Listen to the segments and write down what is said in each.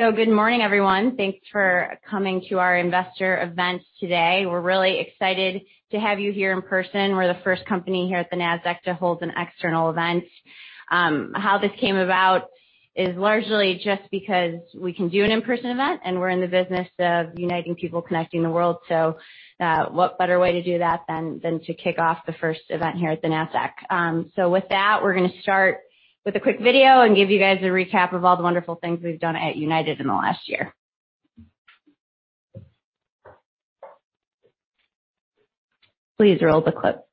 Good morning, everyone. Thanks for coming to our investor event today. We're really excited to have you here in person. We're the first company here at the Nasdaq to hold an external event. How this came about is largely just because we can do an in-person event, and we're in the business of uniting people, connecting the world. What better way to do that than to kick off the first event here at the Nasdaq? With that, we're going to start with a quick video and give you guys a recap of all the wonderful things we've done at United in the last year. Please roll the clip.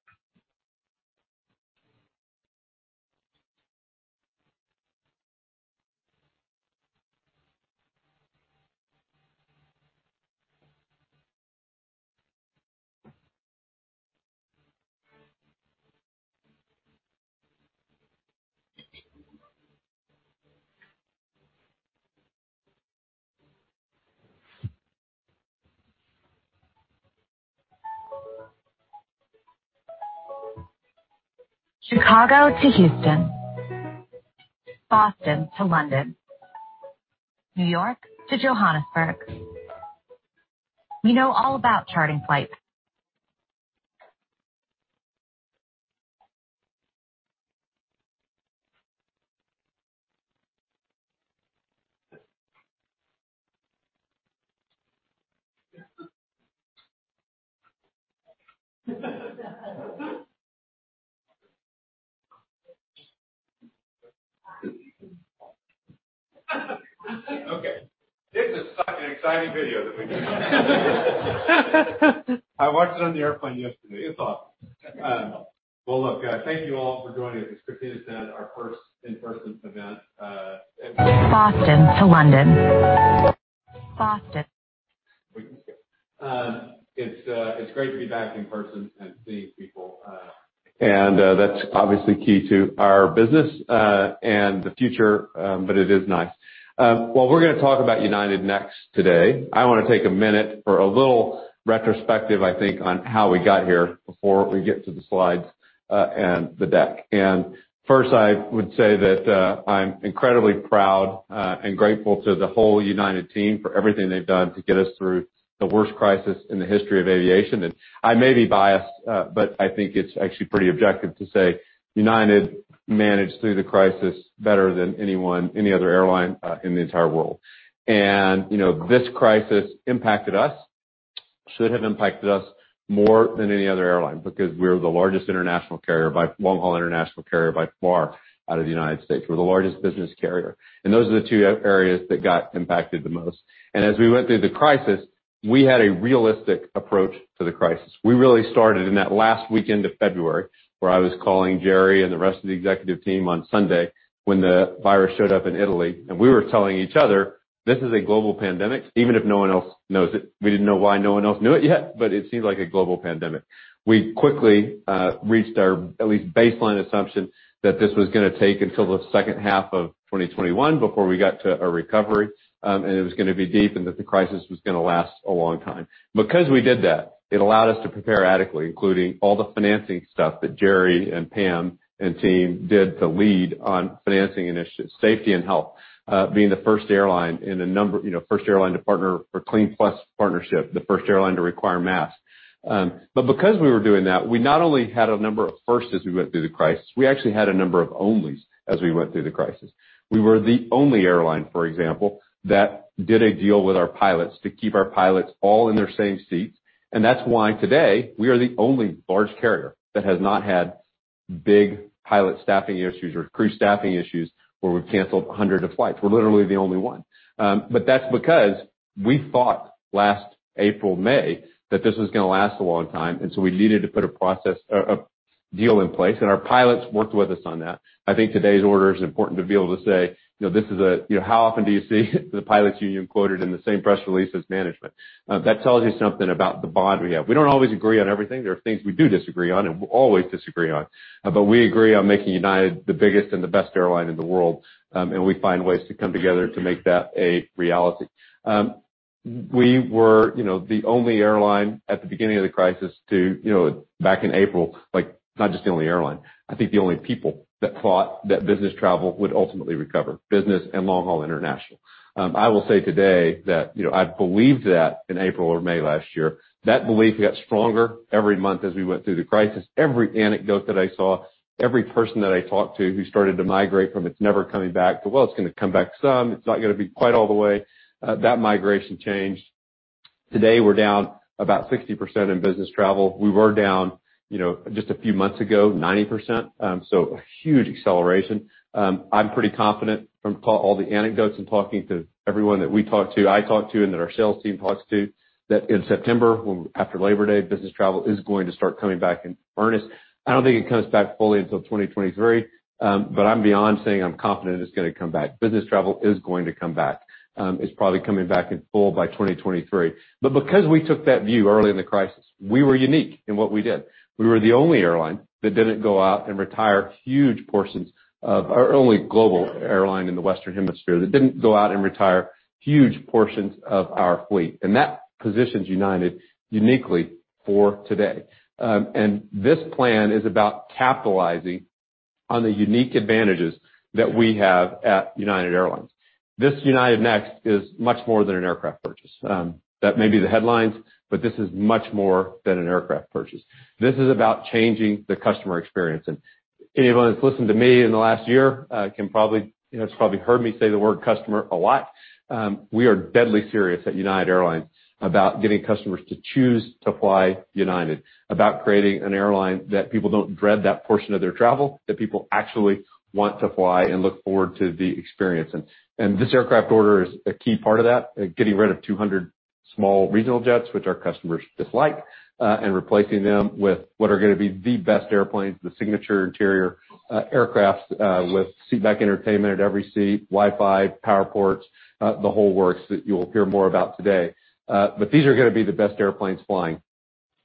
Chicago to Houston, Boston to London, New York to Johannesburg. We know all about charting flights. Okay. It's such an exciting video that we made. I watched it on the airplane yesterday. It's awesome. Well, look, guys, thank you all for joining us. It's great to be at our first in-person event. Boston to London. Boston. It's great to be back in person and seeing people. That's obviously key to our business and the future, but it is nice. While we're going to talk about United Next today, I want to take a minute for a little retrospective, I think, on how we got here before we get to the slides and the deck. First, I would say that I'm incredibly proud and grateful to the whole United team for everything they've done to get us through the worst crisis in the history of aviation. I may be biased, but I think it's actually pretty objective to say United managed through the crisis better than anyone, any other airline in the entire world. This crisis impacted us. Should have impacted us more than any other airline because we were the largest long-haul international carrier by far out of the U.S. We're the largest business carrier, and those are the two areas that got impacted the most. As we went through the crisis, we had a realistic approach to the crisis. We really started in that last weekend of February, where I was calling Gerry and the rest of the executive team on Sunday when the virus showed up in Italy, and we were telling each other, this is a global pandemic, even if no one else knows it. We didn't know why no one else knew it yet, but it seemed like a global pandemic. We quickly reached our at least baseline assumption that this was going to take until the second half of 2021 before we got to a recovery, and it was going to be deep, and that the crisis was going to last a long time. It allowed us to prepare adequately, including all the financing stuff that Gerry and Pam and team did to lead on financing initiatives, safety and health, being the first airline to partner for CleanPlus partnership, the first airline to require masks. Because we were doing that, we not only had a number of firsts as we went through the crisis, we actually had a number of onlys as we went through the crisis. We were the only airline, for example, that did a deal with our pilots to keep our pilots all in their same seats. That's why today we are the only large carrier that has not had big pilot staffing issues or crew staffing issues where we've canceled hundreds of flights. We're literally the only one. That's because we thought last April, May, that this was going to last a long time, and so we needed to put a deal in place, and our pilots worked with us on that. I think today's order is important to be able to say, how often do you see the pilots union quoted in the same press release as management? That tells you something about the bond we have. We don't always agree on everything. There are things we do disagree on and will always disagree on, but we agree on making United the biggest and the best airline in the world, and we find ways to come together to make that a reality. We were the only airline at the beginning of the crisis to, back in April, not just the only airline, I think the only people that thought that business travel would ultimately recover, business and long-haul international. I will say today that I believed that in April or May last year. That belief got stronger every month as we went through the crisis. Every anecdote that I saw, every person that I talked to who started to migrate from it's never coming back to, well, it's going to come back some. It's not going to be quite all the way. That migration changed. Today, we're down about 60% in business travel. We were down just a few months ago, 90%, so a huge acceleration. I'm pretty confident from all the anecdotes in talking to everyone that we talk to, I talk to, and that our sales team talks to, that in September, after Labor Day, business travel is going to start coming back in earnest. I don't think it comes back fully until 2023. I'm beyond saying I'm confident it's going to come back. Business travel is going to come back. It's probably coming back in full by 2023. Because we took that view early in the crisis, we were unique in what we did. Only global airline in the Western Hemisphere that didn't go out and retire huge portions of our fleet. That positions United uniquely for today. This plan is about capitalizing on the unique advantages that we have at United Airlines. This United Next is much more than an aircraft purchase. That may be the headlines, but this is much more than an aircraft purchase. This is about changing the customer experience. Anyone that's listened to me in the last year has probably heard me say the word customer a lot. We are deadly serious at United Airlines about getting customers to choose to fly United, about creating an airline that people don't dread that portion of their travel, that people actually want to fly and look forward to the experience. This aircraft order is a key part of that, getting rid of 200 small regional jets, which our customers dislike, and replacing them with what are going to be the best airplanes, the signature interior aircraft with seat back entertainment at every seat, Wi-Fi, power ports, the whole works that you'll hear more about today. These are going to be the best airplanes flying.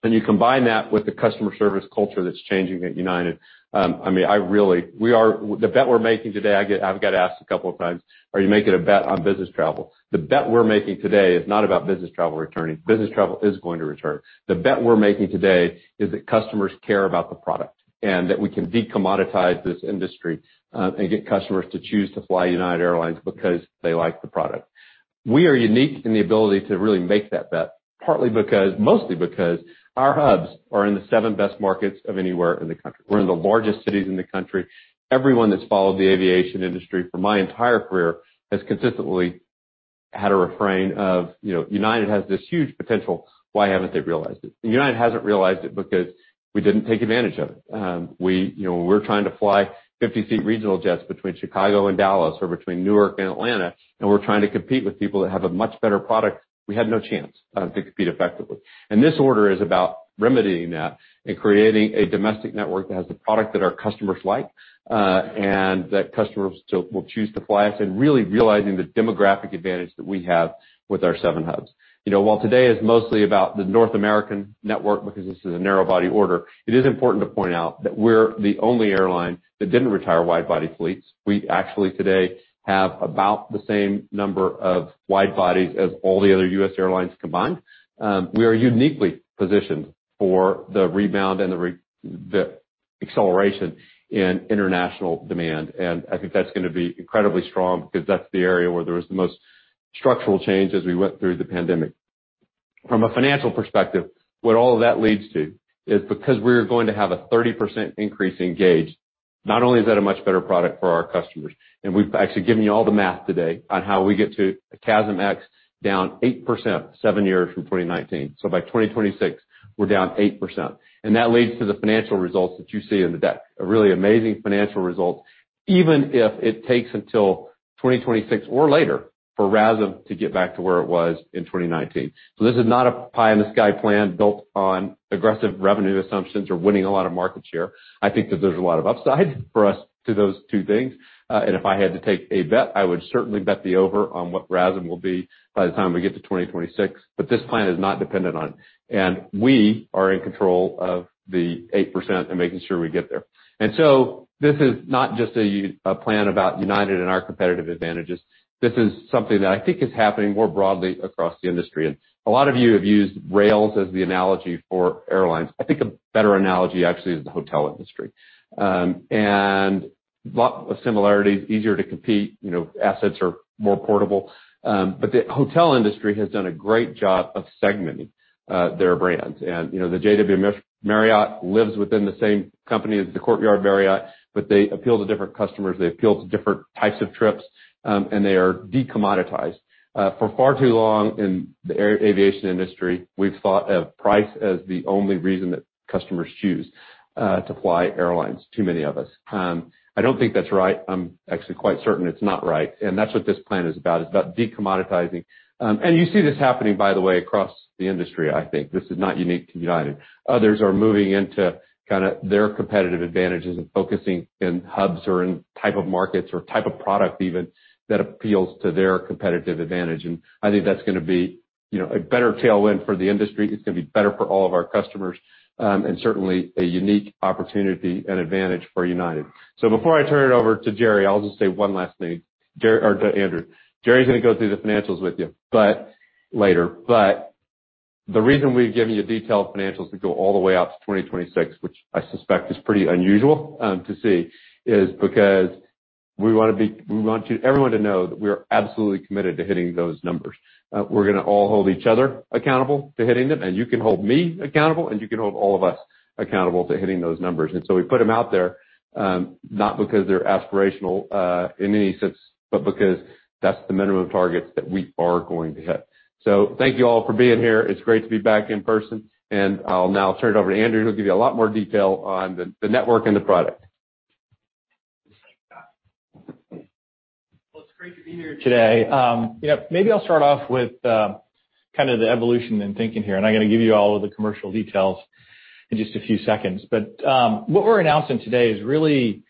You combine that with the customer service culture that's changing at United. The bet we're making today, I've got asked a couple of times, are you making a bet on business travel? The bet we're making today is not about business travel returning. Business travel is going to return. The bet we're making today is that customers care about the product and that we can de-commoditize this industry and get customers to choose to fly United Airlines because they like the product. We are unique in the ability to really make that bet, mostly because our hubs are in the seven best markets of anywhere in the country. We're in the largest cities in the country. Everyone that's followed the aviation industry for my entire career has consistently had a refrain of, United has this huge potential. Why haven't they realized it? United hasn't realized it because we didn't take advantage of it. When we're trying to fly 50-seat regional jets between Chicago and Dallas or between Newark and Atlanta, and we're trying to compete with people that have a much better product, we had no chance to compete effectively. This order is about remedying that and creating a domestic network that has a product that our customers like, and that customers will choose to fly us and really realizing the demographic advantage that we have with our seven hubs. While today is mostly about the North American network because this is a narrow-body order, it is important to point out that we're the only airline that didn't retire wide-body fleets. We actually today have about the same number of wide bodies as all the other U.S. airlines combined. We are uniquely positioned for the rebound and the acceleration in international demand. I think that's going to be incredibly strong because that's the area where there was the most structural change as we went through the pandemic. From a financial perspective, what all of that leads to is because we are going to have a 30% increase in gauge. Not only is that a much better product for our customers, we've actually given you all the math today on how we get to a CASM-ex down 8% seven years from 2019. By 2026, we're down 8%. That leads to the financial results that you see in the deck, a really amazing financial result, even if it takes until 2026 or later for RASM to get back to where it was in 2019. This is not a pie-in-the-sky plan built on aggressive revenue assumptions or winning a lot of market share. I think that there's a lot of upside for us to those two things. If I had to take a bet, I would certainly bet the over on what RASM will be by the time we get to 2026. This plan is not dependent on it. We are in control of the 8% and making sure we get there. This is not just a plan about United and our competitive advantages. This is something that I think is happening more broadly across the industry. A lot of you have used rails as the analogy for airlines. I think a better analogy actually is the hotel industry. A lot of similarities, easier to compete, assets are more portable. The hotel industry has done a great job of segmenting their brands. The JW Marriott lives within the same company as the Courtyard Marriott, but they appeal to different customers, they appeal to different types of trips, and they are de-commoditized. For far too long in the aviation industry, we've thought of price as the only reason that customers choose to fly airlines, too many of us. I don't think that's right. I'm actually quite certain it's not right. That's what this plan is about: it's about de-commoditizing. You see this happening, by the way, across the industry, I think. This is not unique to United. Others are moving into their competitive advantages and focusing in hubs or in type of markets or type of product even that appeals to their competitive advantage. I think that's going to be a better tailwind for the industry. It's going to be better for all of our customers, and certainly a unique opportunity and advantage for United. Before I turn it over to Gerry, I'll just say one last thing. Gerry's going to go through the financials with you later. The reason we've given you detailed financials that go all the way out to 2026, which I suspect is pretty unusual to see, is because we want everyone to know that we are absolutely committed to hitting those numbers. We're going to all hold each other accountable to hitting them, and you can hold me accountable, and you can hold all of us accountable to hitting those numbers. We put them out there, not because they're aspirational in any sense, but because that's the minimum targets that we are going to hit. Thank you all for being here. It's great to be back in person. I'll now turn it over to Andrew who will give you a lot more detail on the network and the product. Well, it's great to be here today. Yeah, maybe I'll start off with the evolution and thinking here, and I'm going to give you all of the commercial details in just a few seconds. What we're announcing today is really,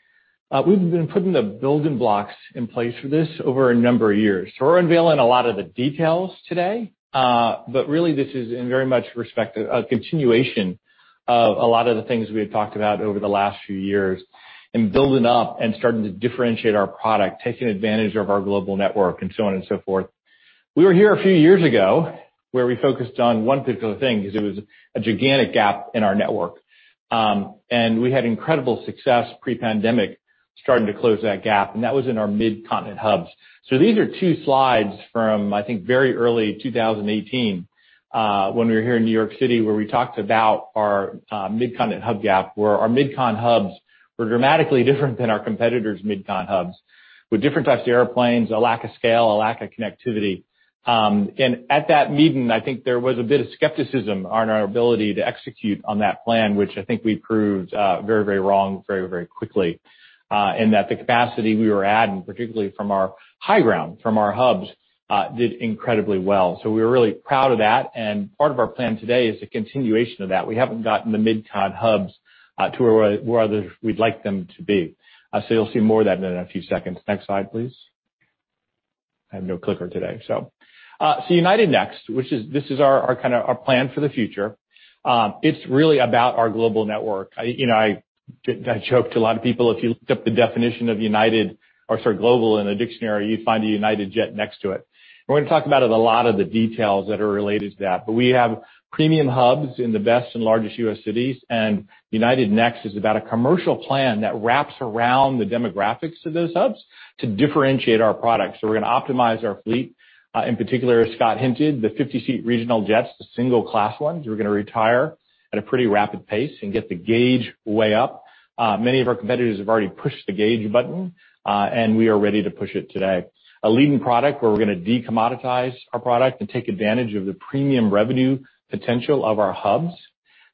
we've been putting the building blocks in place for this over a number of years. We're unveiling a lot of the details today, but really this is in very much a continuation of a lot of the things we've talked about over the last few years and building up and starting to differentiate our product, taking advantage of our global network, and so on and so forth. We were here a few years ago. Where we focused on one particular thing is it was a gigantic gap in our network. We had incredible success pre-pandemic starting to close that gap, and that was in our mid-continent hubs. These are two slides from, I think, very early 2018, when we were here in New York City, where we talked about our mid-continent hub gap, where our mid-con hubs were dramatically different than our competitors' mid-con hubs with different types of airplanes, a lack of scale, a lack of connectivity. At that meeting, I think there was a bit of skepticism on our ability to execute on that plan, which I think we proved very, very wrong very, very quickly, in that the capacity we were adding, particularly from our high ground, from our hubs, did incredibly well. We're really proud of that, and part of our plan today is a continuation of that. We haven't gotten the mid-con hubs to where we'd like them to be. You'll see more of that in a few seconds. Next slide, please. I have no clicker today. United Next, which is our plan for the future. It's really about our global network. I joked to a lot of people, if you looked up the definition of global in the dictionary, you'd find a United jet next to it. We're going to talk about a lot of the details that are related to that. We have premium hubs in the best and largest U.S. cities, and United Next is about a commercial plan that wraps around the demographics of those hubs to differentiate our products. We're going to optimize our fleet. In particular, as Scott hinted, the 50-seat regional jets, the single-class ones, we're going to retire at a pretty rapid pace and get the gauge way up. Many of our competitors have already pushed the gauge button, and we are ready to push it today. A leading product where we're going to de-commoditize our product and take advantage of the premium revenue potential of our hubs,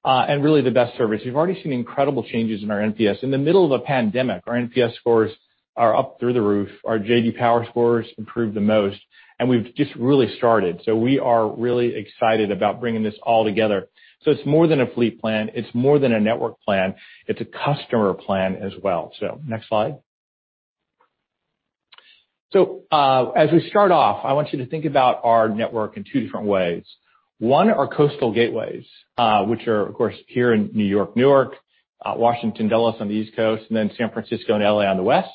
and really the best service. We've already seen incredible changes in our NPS. In the middle of a pandemic, our NPS scores are up through the roof. Our J.D. Power scores improved the most. We've just really started. We are really excited about bringing this all together. It's more than a fleet plan. It's more than a network plan. It's a customer plan as well. Next slide. As we start off, I want you to think about our network in two different ways. One are coastal gateways, which are, of course, here in New York, Newark, Washington, Dulles on the East Coast, and then San Francisco and L.A. on the West.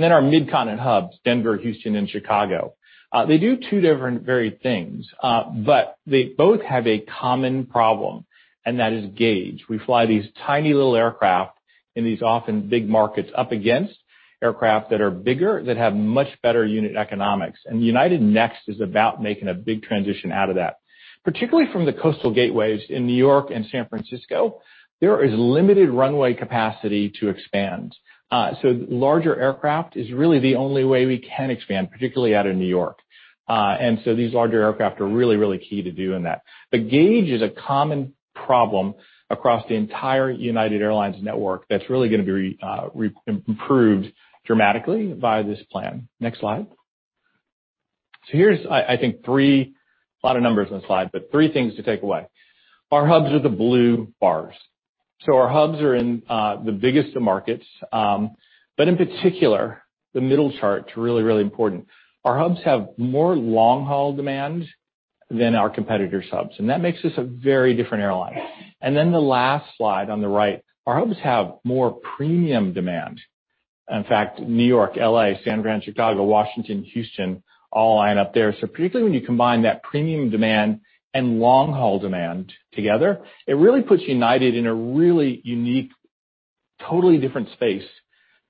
Our mid-con hubs, Denver, Houston, and Chicago. They do two different very things, but they both have a common problem, and that is gauge. We fly these tiny little aircraft in these often big markets up against aircraft that are bigger, that have much better unit economics. United Next is about making a big transition out of that. Particularly from the coastal gateways in New York and San Francisco, there is limited runway capacity to expand. Larger aircraft is really the only way we can expand, particularly out of New York. These larger aircraft are really key to doing that. Gauge is a common problem across the entire United Airlines network that's really going to be improved dramatically by this plan. Next slide. Here's, I think, a lot of numbers on the slide, but 3 things to take away. Our hubs are the blue bars. Our hubs are in the biggest of markets, but in particular, the middle chart's really, really important. Our hubs have more long-haul demand than our competitors' hubs, and that makes us a very different airline. The last slide on the right, our hubs have more premium demand. In fact, New York, L.A., San Fran, Chicago, Washington, Houston, all line up there. Particularly when you combine that premium demand and long-haul demand together, it really puts United in a really unique, totally different space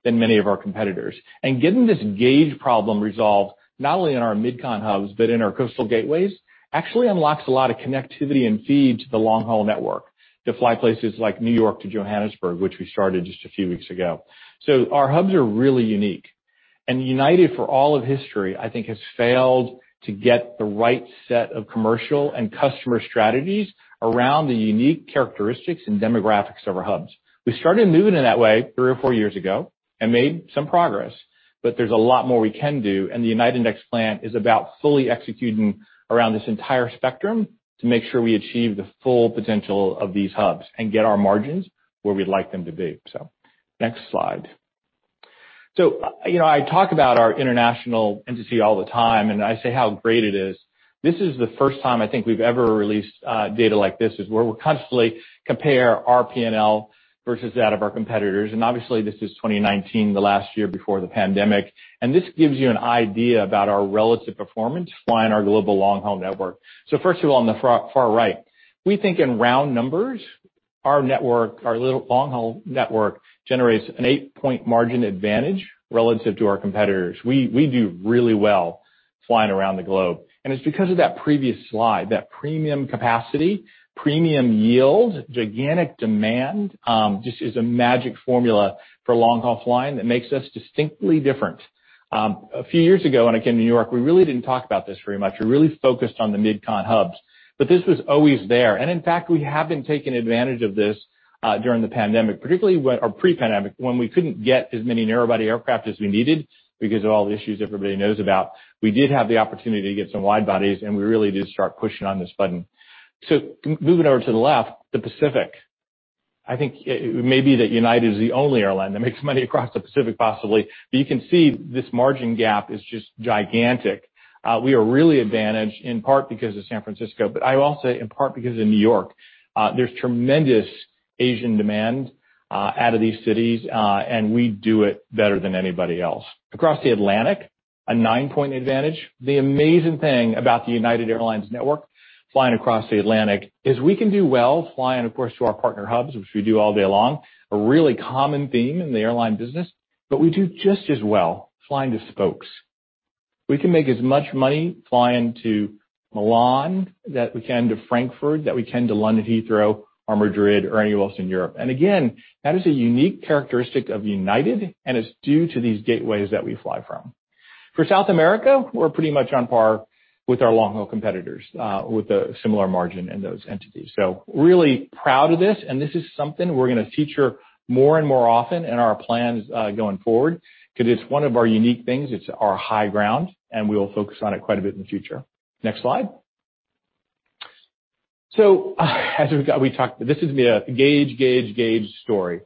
than many of our competitors. Getting this gauge problem resolved, not only in our mid-con hubs, but in our coastal gateways, actually unlocks a lot of connectivity and feed to the long-haul network to fly places like New York to Johannesburg, which we started just a few weeks ago. Our hubs are really unique. United, for all of history, I think, has failed to get the right set of commercial and customer strategies around the unique characteristics and demographics of our hubs. We started moving in that way three or four years ago and made some progress, but there's a lot more we can do, and the United Next plan is about fully executing around this entire spectrum to make sure we achieve the full potential of these hubs and get our margins where we'd like them to be. Next slide. I talk about our international entity all the time, and I say how great it is. This is the first time I think we've ever released data like this. It's where we constantly compare our P&L versus that of our competitors. Obviously, this is 2019, the last year before the pandemic. This gives you an idea about our relative performance flying our global long-haul network. First of all, on the far right, we think in round numbers; our network, our long-haul network, generates an 8-point margin advantage relative to our competitors. We do really well flying around the globe. It's because of that previous slide, that premium capacity, premium yield, gigantic demand. This is a magic formula for long-haul flying that makes us distinctly different. A few years ago, when I came to New York, we really didn't talk about this very much. We really focused on the mid-con hubs, but this was always there, and in fact, we have been taking advantage of this during the pandemic, particularly pre-pandemic, when we couldn't get as many narrow-body aircraft as we needed because of all the issues everybody knows about. We did have the opportunity to get some wide-bodies, and we really did start pushing on this button. Moving over to the left, the Pacific. I think it may be that United is the only airline that makes money across the Pacific, possibly. You can see this margin gap is just gigantic. We are really advantaged in part because of San Francisco, but I will say in part because of New York. There's tremendous Asian demand out of these cities, and we do it better than anybody else. Across the Atlantic, a 9-point advantage. The amazing thing about the United Airlines network flying across the Atlantic is we can do well flying, of course, to our partner hubs, which we do all day long, a really common theme in the airline business, but we do just as well flying to spokes. We can make as much money flying to Milan that we can to Frankfurt, that we can to London Heathrow or Madrid or anywhere else in Europe. Again, that is a unique characteristic of United, and it's due to these gateways that we fly from. For South America, we're pretty much on par with our long-haul competitors with a similar margin in those entities. Really proud of this, and this is something we're going to feature more and more often in our plans going forward because it's one of our unique things. It's our high ground, and we will focus on it quite a bit in the future. Next slide. As we talked, this is the gauge story.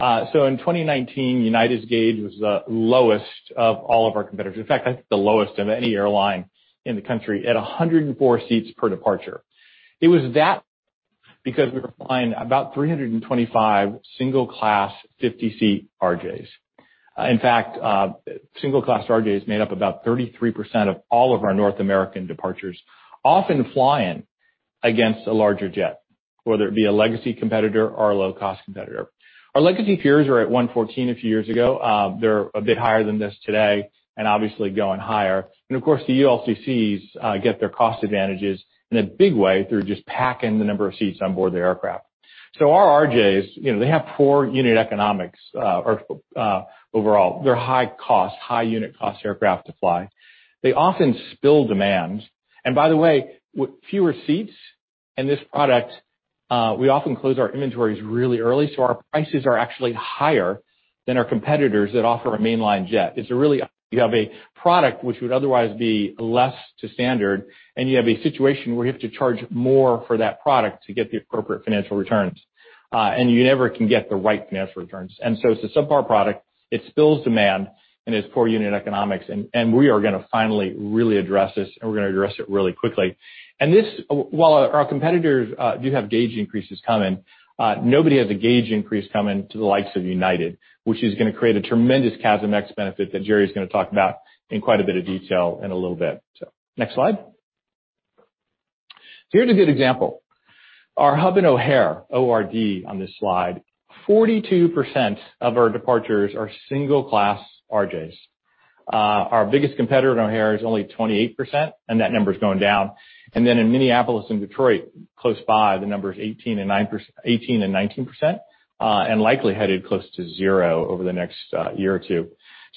In 2019, United's gauge was the lowest of all of our competitors. In fact, I think the lowest of any airline in the country at 104 seats per departure. It was that because we were flying about 325 single-class, 50-seat RJs. In fact, single-class RJs made up about 33% of all of our North American departures, often flying against a larger jet, whether it be a legacy competitor or a low-cost competitor. Our legacy peers were at 114 a few years ago. They're a bit higher than this today and obviously going higher. Of course, the ULCCs get their cost advantages in a big way through just packing the number of seats on board the aircraft. Our RJs, they have poor unit economics overall. They're high cost, high unit cost aircraft to fly. They often spill demand. By the way, with fewer seats in this product, we often close our inventories really early. Our prices are actually higher than our competitors that offer a mainline jet. It's really you have a product which would otherwise be less to standard, and you have a situation where you have to charge more for that product to get the appropriate financial returns, and you never can get the right financial returns. It's a subpar product. It spills demand and has poor unit economics, and we are going to finally really address this, and we're going to address it really quickly. While our competitors do have gauge increases coming, nobody has a gauge increase coming to the likes of United, which is going to create a tremendous CASM-ex that Gerry's going to talk about in quite a bit of detail in a little bit. Next slide. Here's a good example. Our hub in O'Hare, ORD on this slide, 42% of our departures are single-class RJs. Our biggest competitor in O'Hare is only 28%. That number is going down. In Minneapolis and Detroit, close by, the number is 18% and 19%, and likely headed close to zero over the next year or two.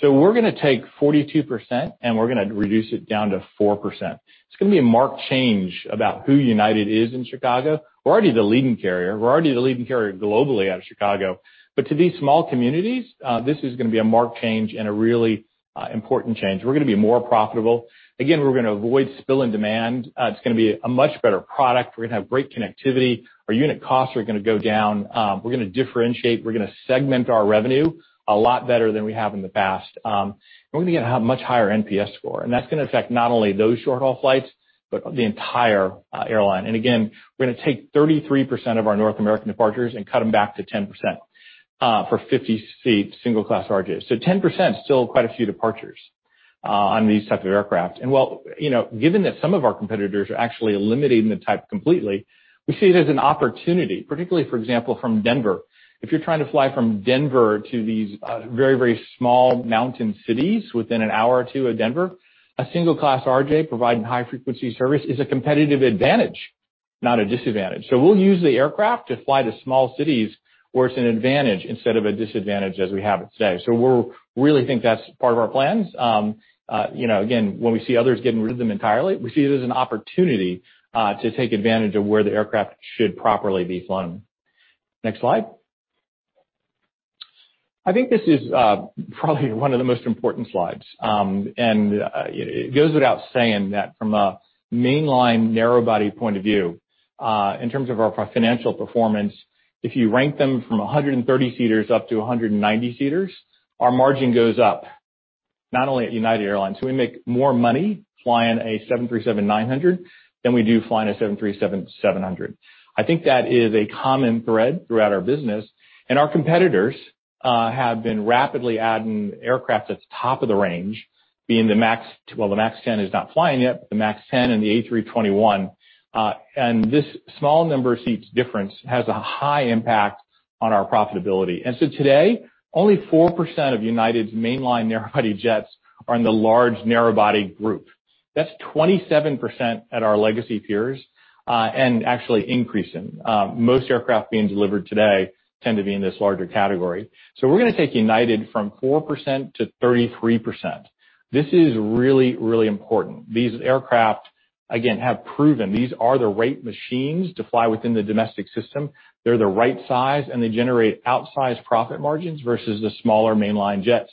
We're going to take 42%, and we're going to reduce it down to 4%. It's going to be a marked change about who United is in Chicago. We're already the leading carrier. We're already the leading carrier globally out of Chicago. To these small communities, this is going to be a marked change and a really important change. We're going to be more profitable. Again, we're going to avoid spilling demand. It's going to be a much better product. We're going to have great connectivity. Our unit costs are going to go down. We're going to differentiate. We're going to segment our revenue a lot better than we have in the past. We're going to have a much higher NPS score, that's going to affect not only those short-haul flights but the entire airline. Again, we're going to take 33% of our North American departures and cut them back to 10% for 50-seat single-class RJs. 10% still quite a few departures on these types of aircraft. While given that some of our competitors are actually eliminating the type completely, we see it as an opportunity, particularly, for example, from Denver. If you're trying to fly from Denver to these very, very small mountain cities within an hour or two of Denver, a single-class RJ providing high-frequency service is a competitive advantage, not a disadvantage. We'll use the aircraft to fly to small cities where it's an advantage instead of a disadvantage, as we have it today. We really think that's part of our plans. Again, when we see others getting rid of them entirely, we see it as an opportunity to take advantage of where the aircraft should properly be flown. Next slide. I think this is probably one of the most important slides. It goes without saying that from a mainline narrow-body point of view, in terms of our financial performance, if you rank them from 130-seaters up to 190-seaters, our margin goes up, not only at United Airlines. We make more money flying a 737-900 than we do flying a 737-700. I think that is a common thread throughout our business. Our competitors have been rapidly adding aircraft that's top of the range, being, well, the MAX 10 is not flying yet, the MAX 10 and the A321. This small number of seats difference has a high impact on our profitability. Today, only 4% of United's mainline narrow-body jets are in the large narrow-body group. That's 27% at our legacy peers and actually increasing. Most aircraft being delivered today tend to be in this larger category. We're going to take United from 4% to 33%. This is really important. These aircraft, again, have proven these are the right machines to fly within the domestic system. They're the right size, and they generate outsized profit margins versus the smaller mainline jets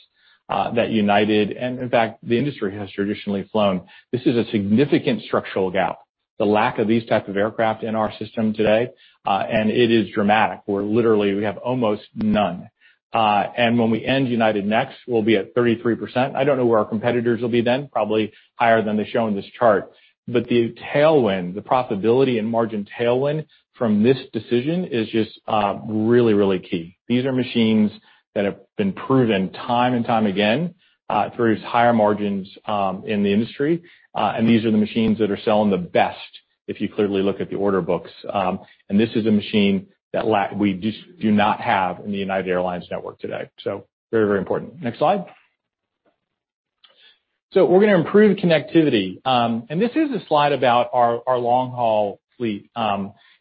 that United, and in fact, the industry has traditionally flown. This is a significant structural gap. The lack of these types of aircraft in our system today, it is dramatic, where literally we have almost none. When we end United Next, we'll be at 33%. I don't know where our competitors will be then, probably higher than they show in this chart. The tailwind, the profitability and margin tailwind from this decision, is just really, really key. These are machines that have been proven time and time again to produce higher margins in the industry. These are the machines that are selling the best if you clearly look at the order books. This is a machine that we just do not have in the United Airlines network today. Very, very important. Next slide. We're going to improve connectivity. This is a slide about our long-haul fleet.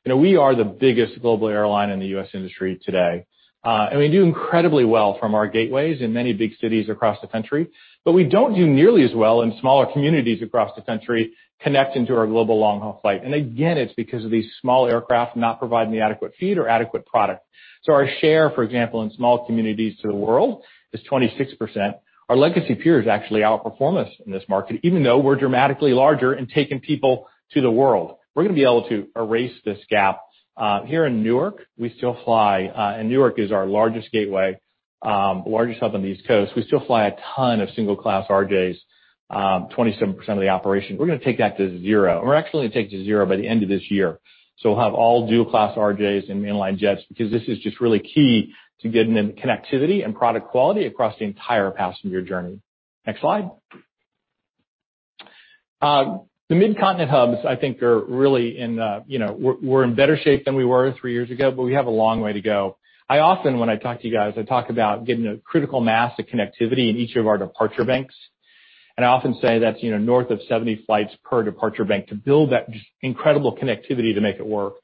We are the biggest global airline in the U.S. industry today. We do incredibly well from our gateways in many big cities across the country. We don't do nearly as well in smaller communities across the country, connecting to our global long-haul flight. Again, it's because of these small aircraft not providing adequate feed or adequate product. Our share, for example, in small communities to the world is 26%. Our legacy peers actually outperform us in this market, even though we're dramatically larger in taking people to the world. We're going to be able to erase this gap. Here in Newark, we still fly. Newark is our largest gateway, the largest hub on the East Coast. We still fly a ton of single-class RJs, 27% of the operations. We're going to take that to zero. We're actually going to take it to zero by the end of this year. We'll have all dual-class RJs and mainline jets because this is just really key to getting the connectivity and product quality across the entire passenger journey. Next slide. The mid-continent hubs, I think, we're in better shape than we were three years ago, but we have a long way to go. I often when I talk to you guys, I talk about getting a critical mass of connectivity in each of our departure banks, and I often say that's north of 70 flights per departure bank to build that just incredible connectivity to make it work.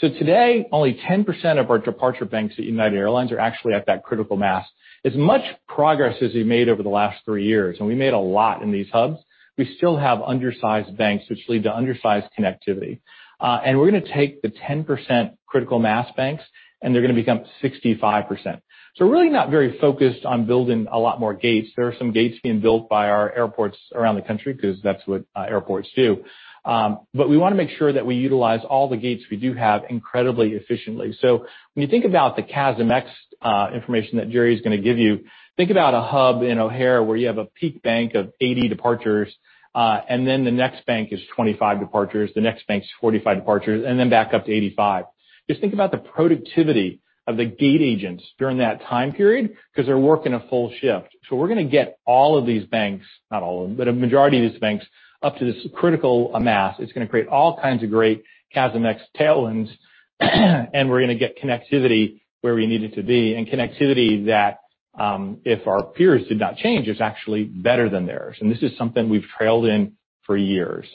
Today, only 10% of our departure banks at United Airlines are actually at that critical mass. As much progress as we made over the last three years, and we made a lot in these hubs, we still have undersized banks, which lead to undersized connectivity. We're going to take the 10% critical mass banks, and they're going to become 65%. We're really not very focused on building a lot more gates. There are some gates being built by our airports around the country because that's what airports do. We want to make sure that we utilize all the gates we do have incredibly efficiently. When you think about the CASM-ex information that Gerry is going to give you, think about a hub in O'Hare where you have a peak bank of 80 departures, and then the next bank is 25 departures, the next bank is 45 departures, and then back up to 85. Just think about the productivity of the gate agents during that time period because they're working a full shift. We're going to get all of these banks, not all of them, but a majority of these banks up to this critical mass. It's going to create all kinds of great CASM-ex tailwinds, and we're going to get connectivity where we need it to be and connectivity that, if our peers did not change, is actually better than theirs. This is something we've trailed in for years.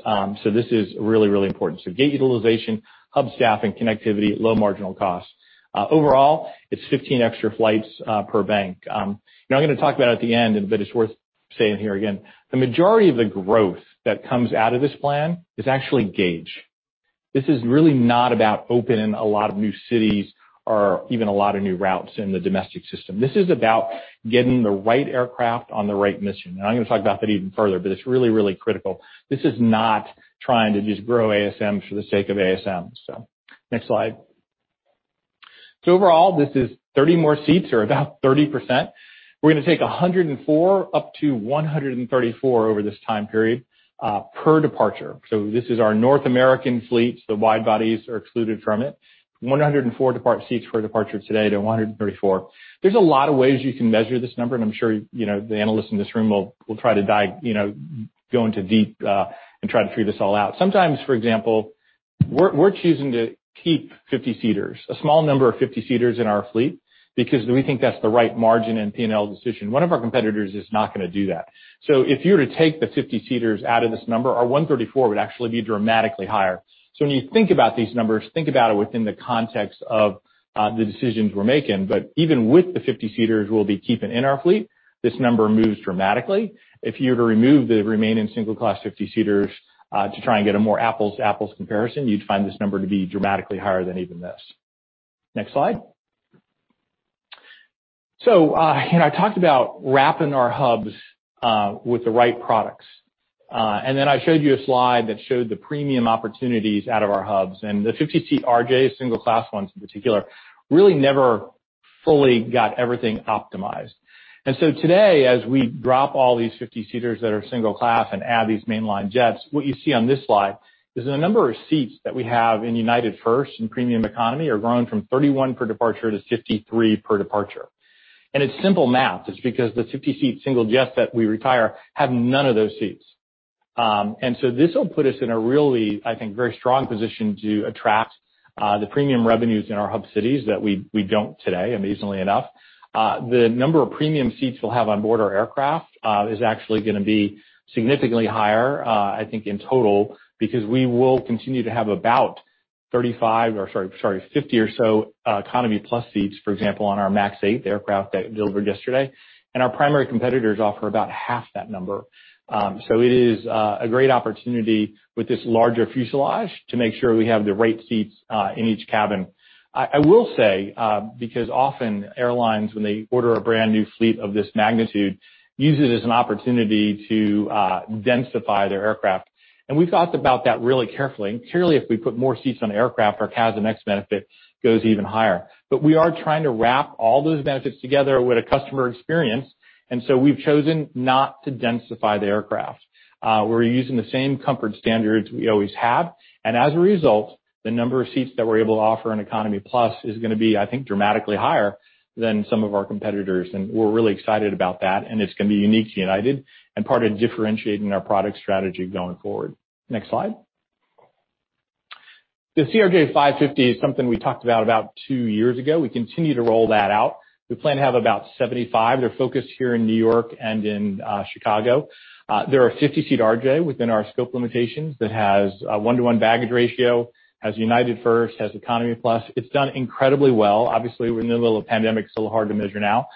This is really important. Gate utilization, hub staffing, connectivity, low marginal cost. Overall, it's 15 extra flights per bank. I'm going to talk about it at the end, but it's worth saying here again, the majority of the growth that comes out of this plan is actually gauge. This is really not about opening a lot of new cities or even a lot of new routes in the domestic system. This is about getting the right aircraft on the right mission. I'm going to talk about that even further. It's really, really critical. This is not trying to just grow ASM for the sake of ASM. Next slide. Overall, this is 30 more seats or about 30%. We're going to take 104 up to 134 over this time period per departure. This is our North American fleet. Wide-bodies are excluded from it. 104 seats per departure today to 134. There's a lot of ways you can measure this number. I'm sure the analysts in this room will try to go into deep and try to figure this all out. Sometimes, for example, we're choosing to keep 50-seaters, a small number of 50-seaters in our fleet, because we think that's the right margin and P&L decision. One of our competitors is not going to do that. If you were to take the 50-seaters out of this number, our 134 would actually be dramatically higher. When you think about these numbers, think about it within the context of the decisions we're making. Even with the 50-seaters we'll be keeping in our fleet, this number moves dramatically. If you were to remove the remaining single-class 50-seaters to try and get a more apples-to-apples comparison, you'd find this number to be dramatically higher than even this. Next slide. I talked about wrapping our hubs with the right products. I showed you a slide that showed the premium opportunities out of our hubs. The 50-seat RJ single-class ones, in particular, really never fully got everything optimized. Today, as we drop all these 50-seaters that are single class and add these mainline jets, what you see on this slide is the number of seats that we have in United First and Premium Economy are growing from 31 per departure to 53 per departure. It's simple math. It's because the 50-seat single jets that we retire have none of those seats. This will put us in a really, I think, very strong position to attract the premium revenues in our hub cities that we don't today, amazingly enough. The number of premium seats we'll have on board our aircraft is actually going to be significantly higher, I think, in total, because we will continue to have about 35 or, sorry, 50 or so Economy Plus seats, for example, on our MAX 8 aircraft that delivered yesterday. Our primary competitors offer about half that number. It is a great opportunity with this larger fuselage to make sure we have the right seats in each cabin. I will say, because often airlines, when they order a brand-new fleet of this magnitude, use it as an opportunity to densify their aircraft. We thought about that really carefully. Clearly, if we put more seats on aircraft, our CASM-ex method goes even higher. We are trying to wrap all those methods together with a customer experience, and so we've chosen not to densify the aircraft. We're using the same comfort standards we always have. As a result, the number of seats that we're able to offer in Economy Plus is going to be, I think, dramatically higher than some of our competitors. We're really excited about that, and it's going to be unique to United and part of differentiating our product strategy going forward. Next slide. The CRJ-550 is something we talked about two years ago. We continue to roll that out. We plan to have about 75. They're focused here in New York and in Chicago. They're a 50-seater RJ within our scope limitations that has a one-to-one baggage ratio, has United First, has Economy Plus. It's done incredibly well. Obviously, we're in the middle of a pandemic, so hard to measure now.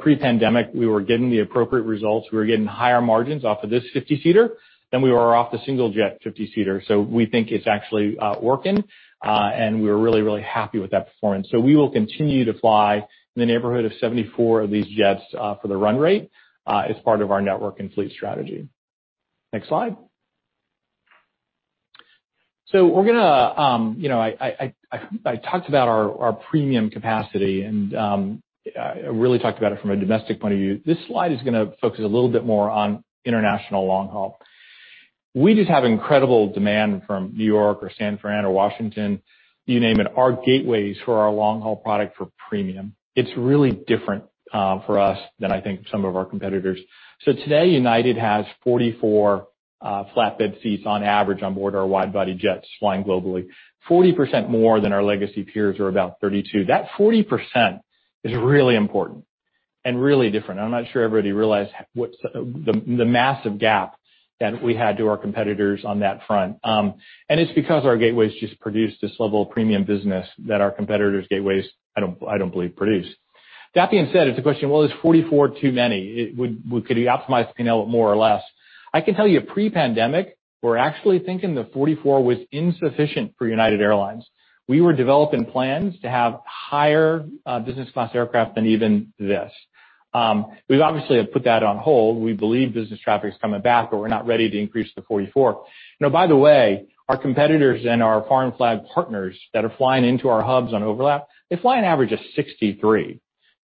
Pre-pandemic, we were getting the appropriate results. We were getting higher margins off of this 50-seater than we were off the single-jet 50-seater. We think it's actually working, and we're really, really happy with that performance. We will continue to fly in the neighborhood of 74 of these jets for the run rate as part of our network and fleet strategy. Next slide. I talked about our premium capacity and really talked about it from a domestic point of view. This slide is going to focus a little bit more on international long-haul. We just have incredible demand from New York or San Fran or Washington, you name it, our gateways for our long-haul product for premium. It's really different for us than I think some of our competitors. Today, United has 44 flatbed seats on average on board our wide-body jets flying globally, 40% more than our legacy peers are about 32. That 40% is really important and really different. I'm not sure everybody realized the massive gap that we had to our competitors on that front. It's because our gateways just produce this level of premium business that our competitors' gateways, I don't believe, produce. That being said, it's a question, well, is 44 too many? Could we optimize more or less? I can tell you, pre-pandemic, we're actually thinking that 44 was insufficient for United Airlines. We were developing plans to have higher business-class aircraft than even this. We obviously have put that on hold. We believe business traffic is coming back, but we're not ready to increase to 44. By the way, our competitors and our foreign flag partners that are flying into our hubs on overlap, they fly an average of 63.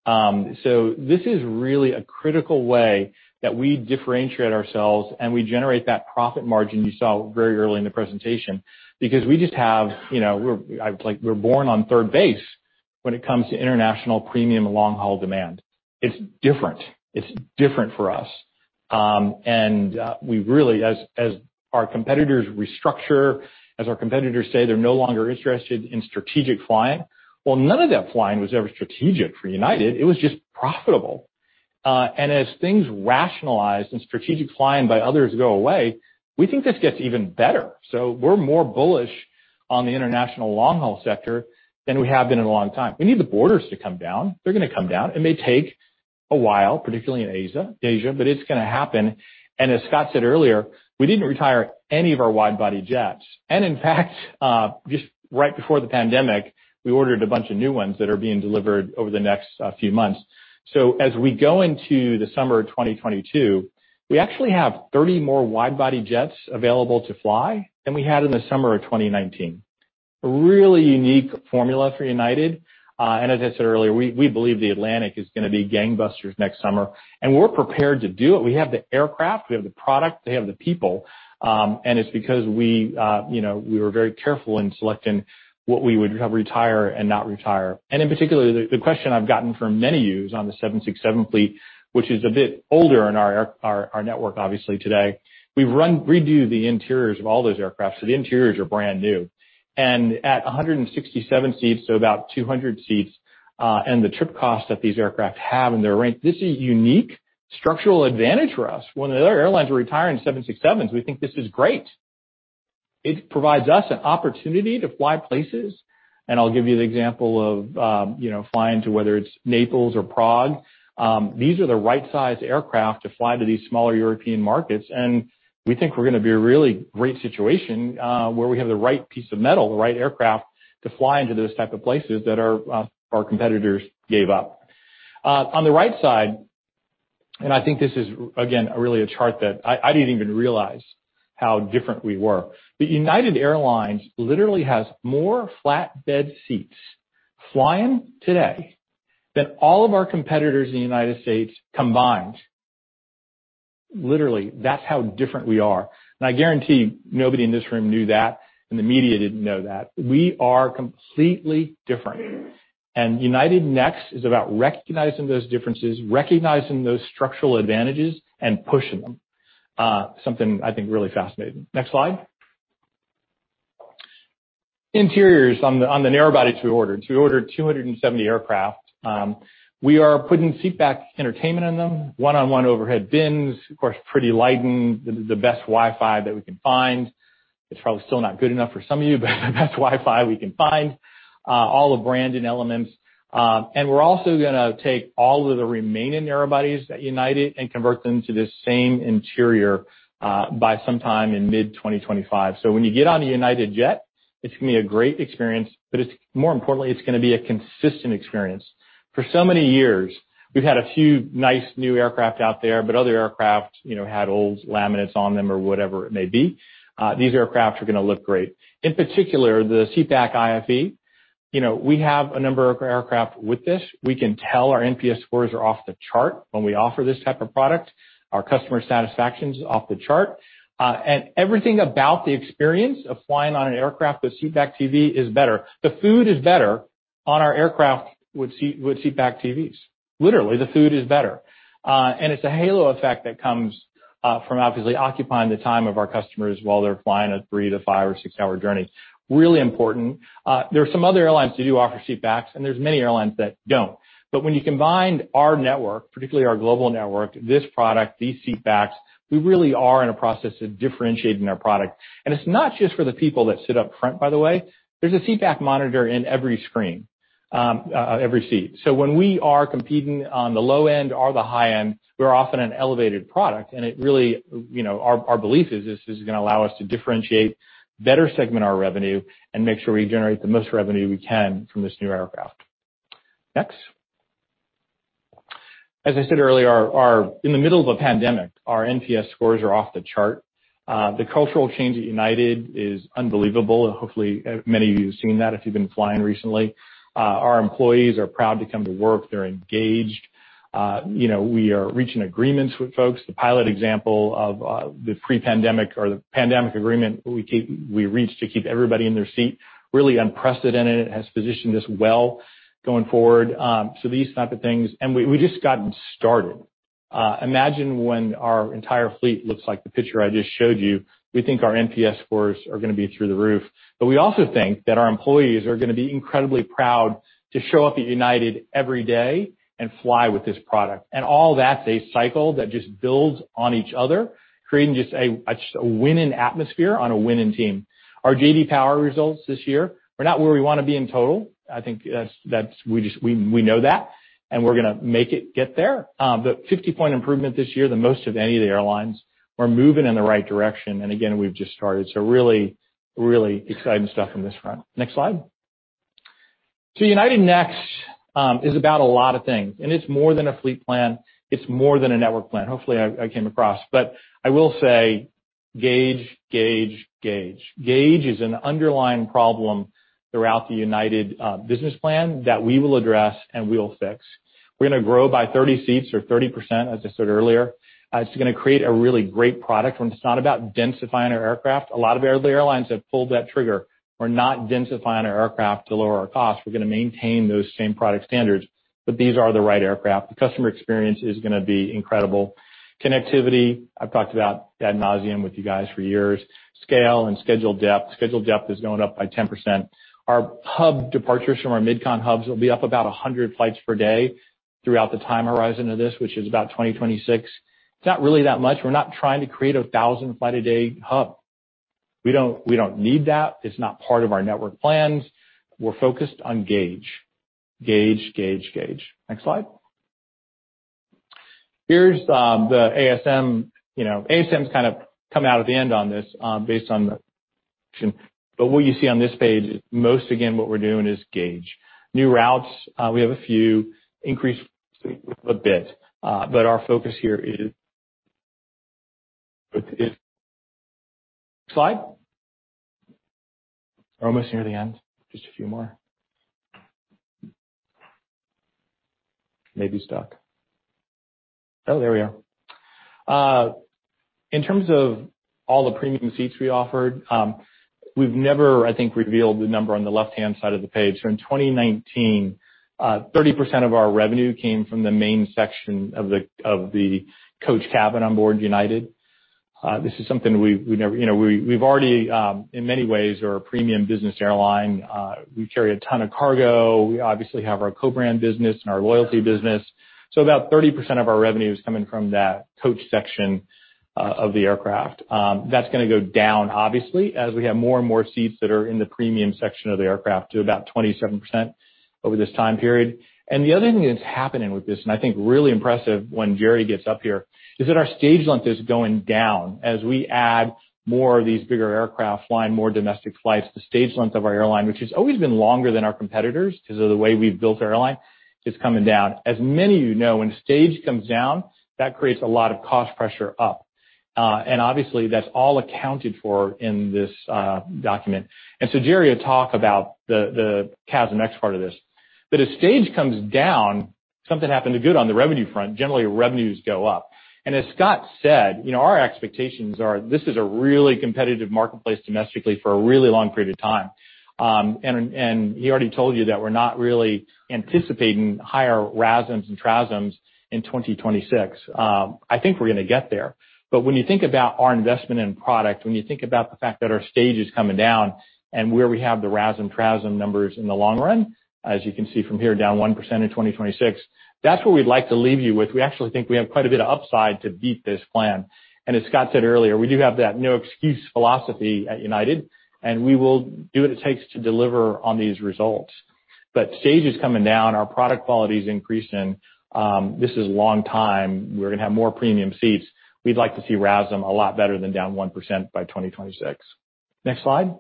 This is really a critical way that we differentiate ourselves, and we generate that profit margin you saw very early in the presentation because we're born on third base when it comes to international premium long-haul demand. It's different. It's different for us. We really, as our competitors restructure, as our competitors say they're no longer interested in strategic flying, well, none of that flying was ever strategic for United. It was just profitable. As things rationalize and strategic flying by others go away, we think this gets even better. We're more bullish on the international long-haul sector than we have been in a long time. We need the borders to come down. They're going to come down. It may take a while, particularly in Asia, but it's going to happen. As Scott said earlier, we didn't retire any of our wide-body jets. In fact, just right before the pandemic, we ordered a bunch of new ones that are being delivered over the next few months. As we go into the summer of 2022, we actually have 30 more wide-body jets available to fly than we had in the summer of 2019. A really unique formula for United. I know I said earlier, we believe the Atlantic is going to be gangbusters next summer, and we're prepared to do it. We have the aircraft, we have the product, we have the people, and it's because we were very careful in selecting what we would have retire and not retire. In particular, the question I've gotten from many of you is on the 767 fleet, which is a bit older in our network, obviously, today. We redo the interiors of all those aircraft, so the interiors are brand new. At 167 seats, so about 200 seats, and the trip cost that these aircraft have in their rank, this is a unique structural advantage for us. When other airlines are retiring 767s, we think this is great. It provides us an opportunity to fly places. I'll give you an example of flying to whether it's Naples or Prague. These are the right-sized aircraft to fly to these smaller European markets, and we think we're going to be in a really great situation where we have the right piece of metal, the right aircraft to fly into those type of places that our competitors gave up. On the right side, I think this is, again, really a chart that I didn't even realize how different we were. United Airlines literally has more flatbed seats flying today than all of our competitors in the United States combined. Literally, that's how different we are. I guarantee nobody in this room knew that, and the media didn't know that. We are completely different. United Next is about recognizing those differences, recognizing those structural advantages, and pushing them. Something I think really fascinating. Next slide. Interiors on the narrow body two orders. We ordered 270 aircraft. We are putting seatback entertainment in them, one-on-one overhead bins, of course, pretty lighting, the best Wi-Fi that we can find. It's probably still not good enough for some of you, but the best Wi-Fi we can find. All the branding elements. We're also going to take all of the remaining narrow bodies at United and convert them to the same interior by sometime in mid 2025. When you get on a United jet, it's going to be a great experience, but more importantly, it's going to be a consistent experience. For so many years, we've had a few nice new aircraft out there, but other aircraft had old laminates on them or whatever it may be. These aircraft are going to look great. In particular, the seatback IFE. We have a number of aircraft with this. We can tell our NPS scores are off the chart when we offer this type of product. Our customer satisfaction is off the chart. Everything about the experience of flying on an aircraft with seat back TV is better. The food is better on our aircraft with seatback TVs. Literally, the food is better. It's a halo effect that comes from obviously occupying the time of our customers while they're flying a three to five or six-hour journey. Really important. There are some other airlines that do offer seat backs, and there's many airlines that don't. When you combine our network, particularly our global network, this product, these seatbacks, we really are in a process of differentiating our product. It's not just for the people that sit up front, by the way. There's a seatback monitor in every screen, every seat. When we are competing on the low end or the high end, we're offering an elevated product. Our belief is this is going to allow us to differentiate, better segment our revenue, and make sure we generate the most revenue we can from this new aircraft. Next. As I said earlier, in the middle of a pandemic, our NPS scores are off the chart. The cultural change at United is unbelievable, and hopefully, many of you have seen that if you've been flying recently. Our employees are proud to come to work. They're engaged. We are reaching agreements with folks. The pilot example of the pre-pandemic or the pandemic agreement we reached to keep everybody in their seat, really unprecedented, has positioned us well going forward. These type of things. We've just gotten started. Imagine when our entire fleet looks like the picture I just showed you, we think our NPS scores are going to be through the roof. We also think that our employees are going to be incredibly proud to show up at United every day and fly with this product. All that just builds on each other, creating just a winning atmosphere on a winning team. Our J.D. Power results this year are not where we want to be in total. I think we know that, and we're going to make it get there. 50-point improvement this year, the most of any of the airlines. We're moving in the right direction. Again, we've just started. Really exciting stuff on this front. Next slide. United Next is about a lot of things, and it's more than a fleet plan. It's more than a network plan. Hopefully, I came across. I will say gauge. Gauge is an underlying problem throughout the United business plan that we will address and we will fix. We're going to grow by 30 seats or 30%, as I said earlier. It's going to create a really great product, and it's not about densifying our aircraft. A lot of other airlines have pulled that trigger. We're not densifying our aircraft to lower our costs. We're going to maintain those same product standards, but these are the right aircraft. The customer experience is going to be incredible. Connectivity, I've talked about ad nauseam with you guys for years. Scale and schedule depth. Schedule depth is going up by 10%. Our hub departures from our mid-con hubs will be up about 100 flights per day throughout the time horizon of this, which is about 2026. It's not really that much. We're not trying to create 1,000-flight-a-day hub. We don't need that. It's not part of our network plans. We're focused on gauge. Next slide. ASM has kind of come out at the end on this. What you see on this page is most again, what we're doing is gauge. New routes, we have a few increased a bit. Next slide. We're almost near the end. Just a few more. Maybe stuck. Oh, there we go. In terms of all the premium seats we offered, we've never, I think, revealed the number on the left-hand side of the page. In 2019, 30% of our revenue came from the main section of the coach cabin on board United. We've already, in many ways, are a premium business airline. We carry a ton of cargo. We obviously have our co-brand business and our loyalty business. About 30% of our revenue is coming from that coach section of the aircraft. That's going to go down, obviously, as we have more and more seats that are in the premium section of the aircraft to about 27% over this time period. The other thing that's happening with this, and I think really impressive when Gerry gets up here, is that our stage length is going down. As we add more of these bigger aircraft flying more domestic flights, the stage length of our airline, which has always been longer than our competitors because of the way we've built our airline, is coming down. As many of you know, when stage comes down, that creates a lot of cost pressure up. Obviously, that's all accounted for in this document. Gerry will talk about the CASM-ex part of this. As stage comes down, something happened good on the revenue front; generally, revenues go up. As Scott said, our expectations are this is a really competitive marketplace domestically for a really long period of time. He already told you that we're not really anticipating higher RASMs and TRASMs in 2026. I think we're going to get there. When you think about our investment in product, when you think about the fact that our stage is coming down and where we have the RASM, TRASM numbers in the long run, as you can see from here, down 1% in 2026, that's where we'd like to leave you with. We actually think we have quite a bit of upside to beat this plan. As Scott said earlier, we do have that no-excuse philosophy at United, and we will do what it takes to deliver on these results. Stage is coming down, our product quality is increasing. This is a long time. We're going to have more premium seats. We'd like to see RASM a lot better than down 1% by 2026. Next slide.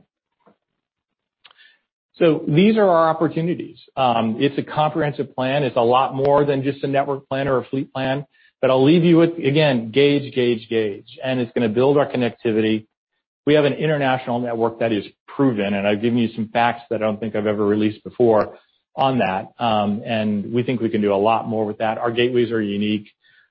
These are our opportunities. It's a comprehensive plan. It's a lot more than just a network plan or a fleet plan. I'll leave you with, again, gauge. It's going to build our connectivity. We have an international network that is proven, and I've given you some facts that I don't think I've ever released before on that. We think we can do a lot more with that. Our gateways are unique.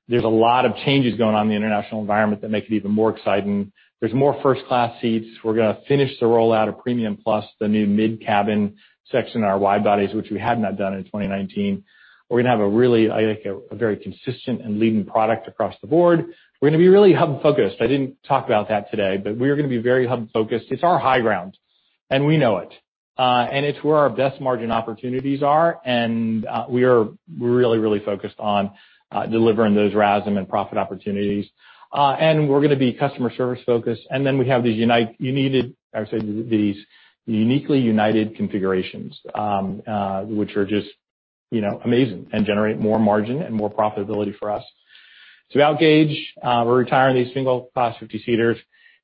There's a lot of changes going on in the international environment that make it even more exciting. There's more first-class seats. We're going to finish the rollout of Premium Plus, the new mid-cabin section in our wide-bodies, which we had not done in 2019. We're going to have a really, I think, a very consistent and leading product across the board. We're going to be really hub-focused. I didn't talk about that today; we're going to be very hub-focused. It's our high ground, and we know it. It's where our best margin opportunities are; we are really focused on delivering those RASM and profit opportunities. We're going to be customer service-focused. We have these uniquely United configurations, which are just amazing and generate more margin and more profitability for us. Now, gauge, we're retiring these single-class 50-seaters,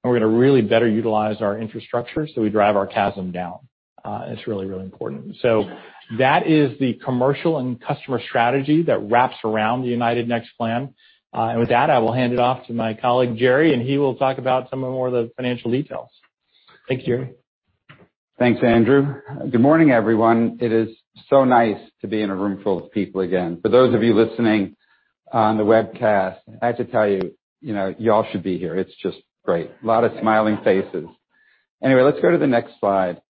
we're going to really better utilize our infrastructure so we drive our CASM down. It's really important. That is the commercial and customer strategy that wraps around the United Next Plan. With that, I will hand it off to my colleague, Gerry, and he will talk about some more of the financial details. Thank you. Thanks, Andrew. Good morning, everyone. It is so nice to be in a room full of people again. For those of you listening on the webcast, I have to tell you all should be here. It's just great. A lot of smiling faces. Let's go to the next slide.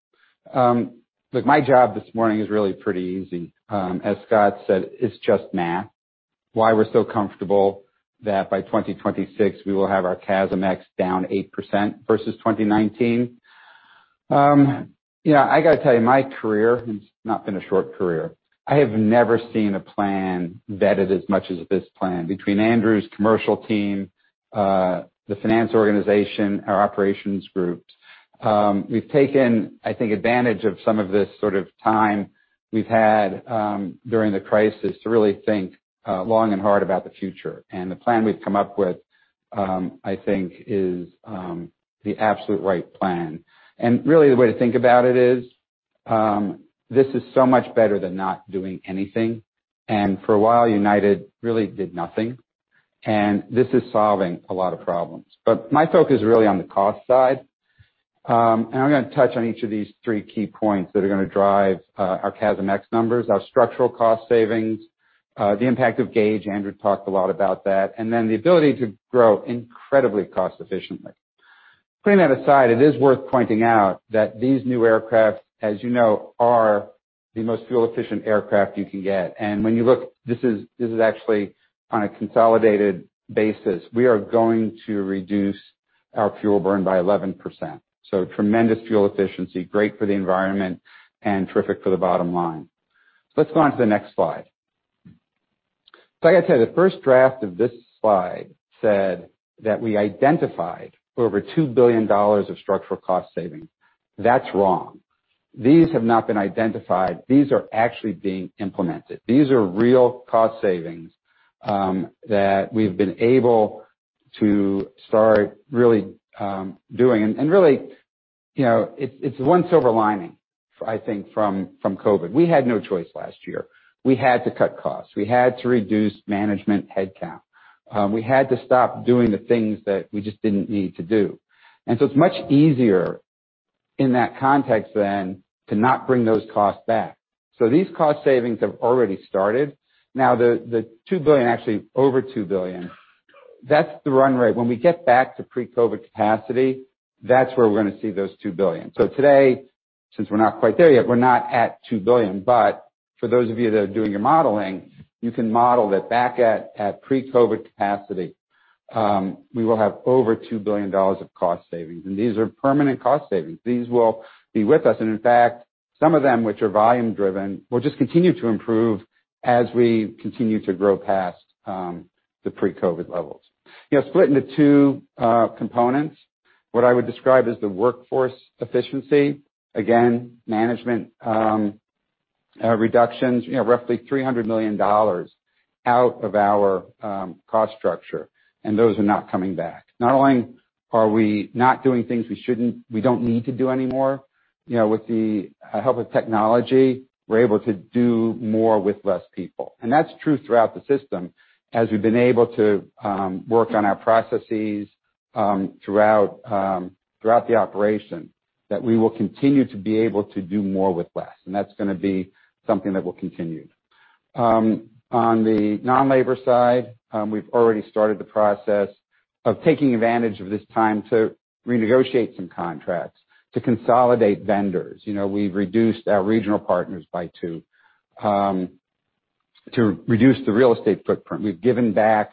Look, my job this morning is really pretty easy. As Scott said, it's just math. Why we're so comfortable that by 2026 we will have our CASM-ex down 8% versus 2019. I got to tell you, my career, it's not been a short career. I have never seen a plan vetted as much as this plan. Between Andrew's commercial team, the finance organization, our operations groups. We've taken, I think, advantage of some of this sort of time we've had during the crisis to really think long and hard about the future. The plan we've come up with, I think, is the absolute right plan. Really, the way to think about it is, this is so much better than not doing anything. For a while, United really did nothing. This is solving a lot of problems. My focus is really on the cost side. I'm going to touch on each of these three key points that are going to drive our CASM-ex numbers, our structural cost savings, the impact of gauge, Andrew talked a lot about that, and then the ability to grow incredibly cost-efficiently. Putting that aside, it is worth pointing out that these new aircrafts, as you know, are the most fuel-efficient aircraft you can get. When you look, this is actually on a consolidated basis. We are going to reduce our fuel burn by 11%. Tremendous fuel efficiency, great for the environment and terrific for the bottom line. Let's go on to the next slide. Like I said, the first draft of this slide said that we identified over $2 billion of structural cost savings. That's wrong. These have not been identified. These are actually being implemented. These are real cost savings that we've been able to start really doing. Really, it's one silver lining, I think, from COVID. We had no choice last year. We had to cut costs. We had to reduce management headcount. We had to stop doing the things that we just didn't need to do. It's much easier in that context then to not bring those costs back. These cost savings have already started. Now, the $2 billion, actually over $2 billion, that's the run rate. When we get back to pre-COVID capacity, that's where we're going to see those $2 billion. Today, since we're not quite there yet, we're not at $2 billion, but for those of you that are doing your modeling, you can model that back at pre-COVID capacity. We will have over $2 billion of cost savings. These are permanent cost savings. These will be with us. In fact, some of them, which are volume-driven, will just continue to improve as we continue to grow past the pre-COVID levels. Split into two components, what I would describe as the workforce efficiency, again, management reductions, roughly $300 million out of our cost structure. Those are not coming back. Not only are we not doing things we don't need to do anymore, with the help of technology, we're able to do more with less people. That's true throughout the system, as we've been able to work on our processes throughout the operation, that we will continue to be able to do more with less, and that's going to be something that will continue. On the non-labor side, we've already started the process of taking advantage of this time to renegotiate some contracts, to consolidate vendors. We've reduced our regional partners by two to reduce the real estate footprint. We've given back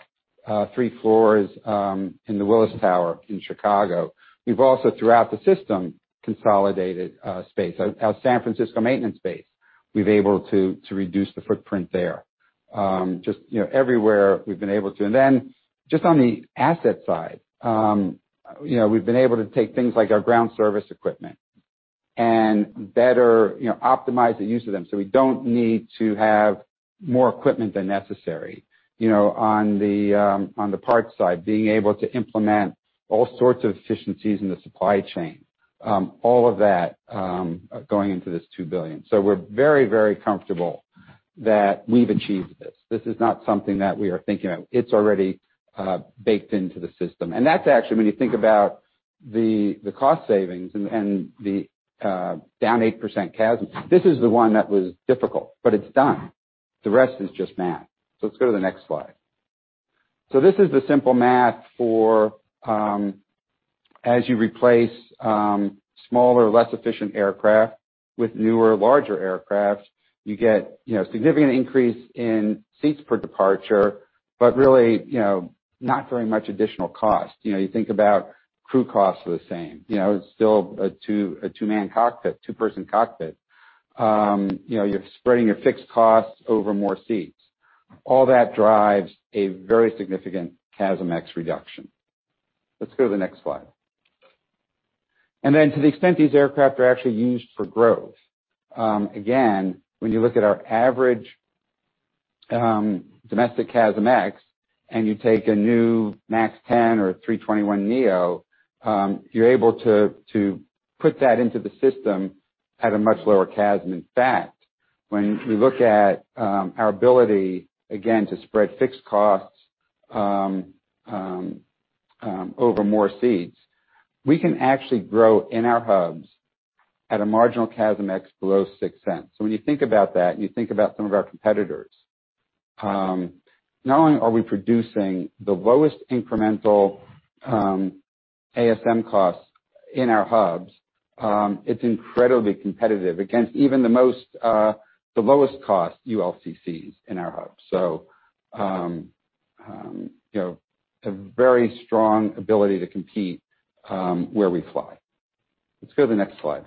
three floors in the Willis Tower in Chicago. We've also, throughout the system, consolidated space. Our San Francisco maintenance space, we've been able to reduce the footprint there. Just everywhere we've been able to. Just on the asset side, we've been able to take things like our ground service equipment and better optimize the use of them, so we don't need to have more equipment than necessary. On the parts side, being able to implement all sorts of efficiencies in the supply chain. All of that going into this $2 billion. We're very, very comfortable that we've achieved this. This is not something that we are thinking of. It's already baked into the system. That's actually, when you think about the cost savings and the down 8% CASM, this is the one that was difficult, but it's done. The rest is just math. Let's go to the next slide. This is the simple math for as you replace smaller, less efficient aircraft with newer, larger aircraft, you get a significant increase in seats per departure, but really not very much additional cost. You think about crew costs are the same. It's still a two-man cockpit, two-person cockpit. You're spreading your fixed costs over more seats. All that drives a very significant CASM-ex reduction. Let's go to the next slide. Then to the extent these aircraft are actually used for growth, again, when you look at our average domestic CASM-ex, and you take a new MAX 10 or a A321neo, you're able to put that into the system at a much lower CASM. In fact, when we look at our ability, again, to spread fixed costs over more seats, we can actually grow in our hubs at a marginal CASM-ex below $0.06. When you think about that and you think about some of our competitors, not only are we producing the lowest incremental ASM costs in our hubs, it's incredibly competitive against even the lowest cost ULCCs in our hubs. A very strong ability to compete where we fly. Let's go to the next slide.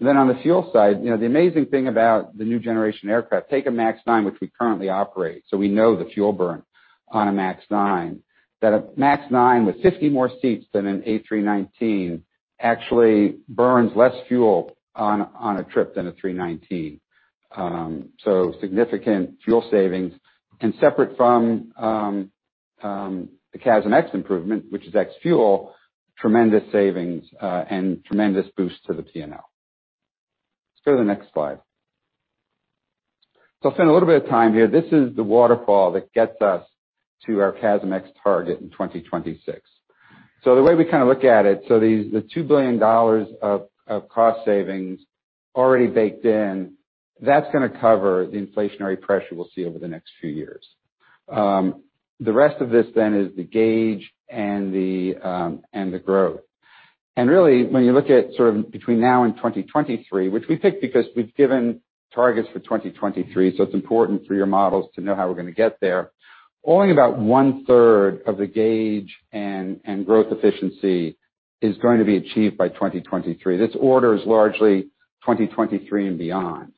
On the fuel side, the amazing thing about the new generation aircraft, take a MAX 9, which we currently operate, so we know the fuel burn on a MAX 9. A MAX 9 with 50 more seats than an A319 actually burns less fuel on a trip than an A319. Significant fuel savings and separate from the CASM-ex improvement, which is ex-fuel, tremendous savings and tremendous boost to the P&L. Let's go to the next slide. I'll spend a little bit of time here. This is the waterfall that gets us to our CASM-ex target in 2026. The way we look at it, the $2 billion of cost savings already baked in, that's going to cover the inflationary pressure we'll see over the next few years. The rest of this, then is the gauge and the growth. Really, when you look at sort of between now and 2023, which we think because we've given targets for 2023, it's important for your models to know how we're going to get there. Only about one-third of the gauge and growth efficiency is going to be achieved by 2023. This order is largely 2023 and beyond.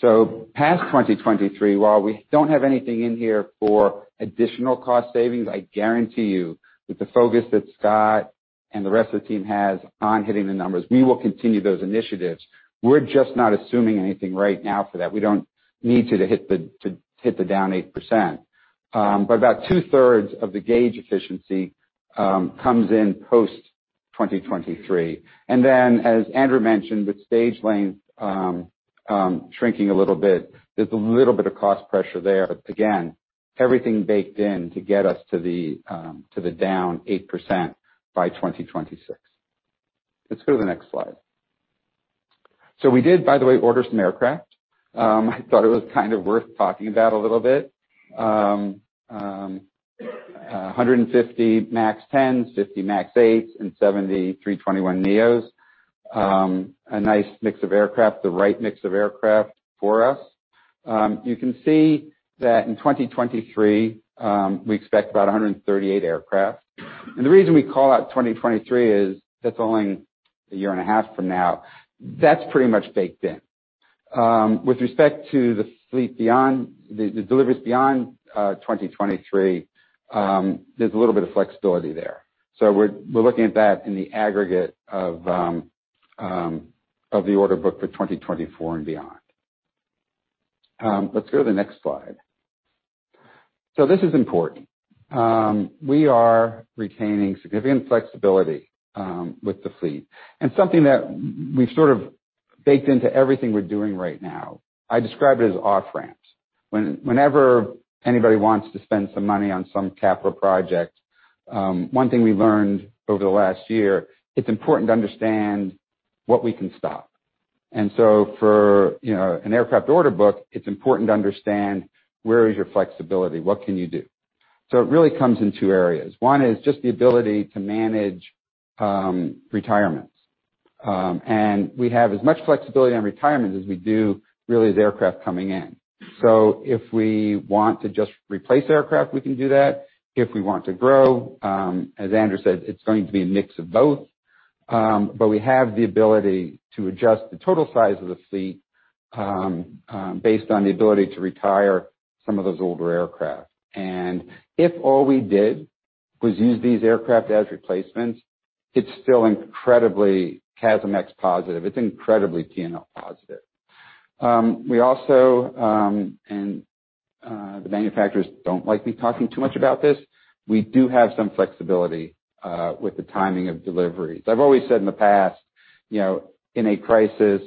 Past 2023, while we don't have anything in here for additional cost savings, I guarantee you that the focus that Scott and the rest of the team has on hitting the numbers, we will continue those initiatives. We're just not assuming anything right now for that. We don't need you to hit the down 8%. About two-thirds of the gauge efficiency comes in post-2023. As Andrew mentioned, with stage length shrinking a little bit, there's a little bit of cost pressure there. Again, everything baked in to get us to the down 8% by 2026. Let's go to the next slide. We did, by the way, order some aircraft. I thought it was kind of worth talking about a little bit. 150 MAX 10s, 50 MAX 8s, and 70 A321neos. A nice mix of aircraft, the right mix of aircraft for us. You can see that in 2023, we expect about 138 aircraft. The reason we call out 2023 is that's only a year and a half from now. That's pretty much baked in. With respect to the fleet beyond, the deliveries beyond 2023, there's a little bit of flexibility there. We're looking at that in the aggregate of the order book for 2024 and beyond. Let's go to the next slide. This is important. We are retaining significant flexibility with the fleet. Something that we baked into everything we're doing right now, I describe it as off-ramps. Whenever anybody wants to spend some money on some capital project, one thing we learned over the last year, it's important to understand what we can stop. For an aircraft order book, it's important to understand where is your flexibility, what can you do? It really comes in two areas. One is just the ability to manage retirements. We have as much flexibility on retirement as we do really with aircraft coming in. If we want to just replace aircraft, we can do that. If we want to grow, as Andrew said, it's going to be a mix of both. We have the ability to adjust the total size of the fleet based on the ability to retire some of those older aircraft. If all we did was use these aircraft as replacements, it still incredibly CASM-ex positive. It's incredibly positive. We also, and the manufacturers don't like me talking too much about this, we do have some flexibility with the timing of deliveries. I've always said in the past, in a crisis,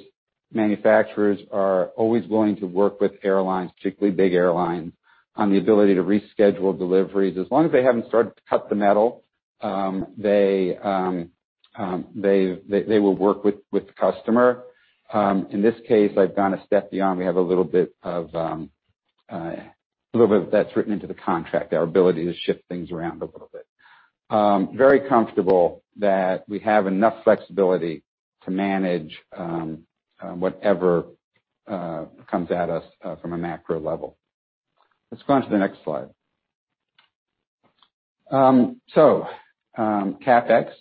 manufacturers are always willing to work with airlines, particularly big airlines, on the ability to reschedule deliveries. As long as they haven't started to cut the metal, they will work with the customer. In this case, I've gone a step beyond. We have a little bit that's written into the contract, our ability to shift things around a little bit. Very comfortable that we have enough flexibility to manage whatever comes at us from a macro level. Let's go on to the next slide. CapEx,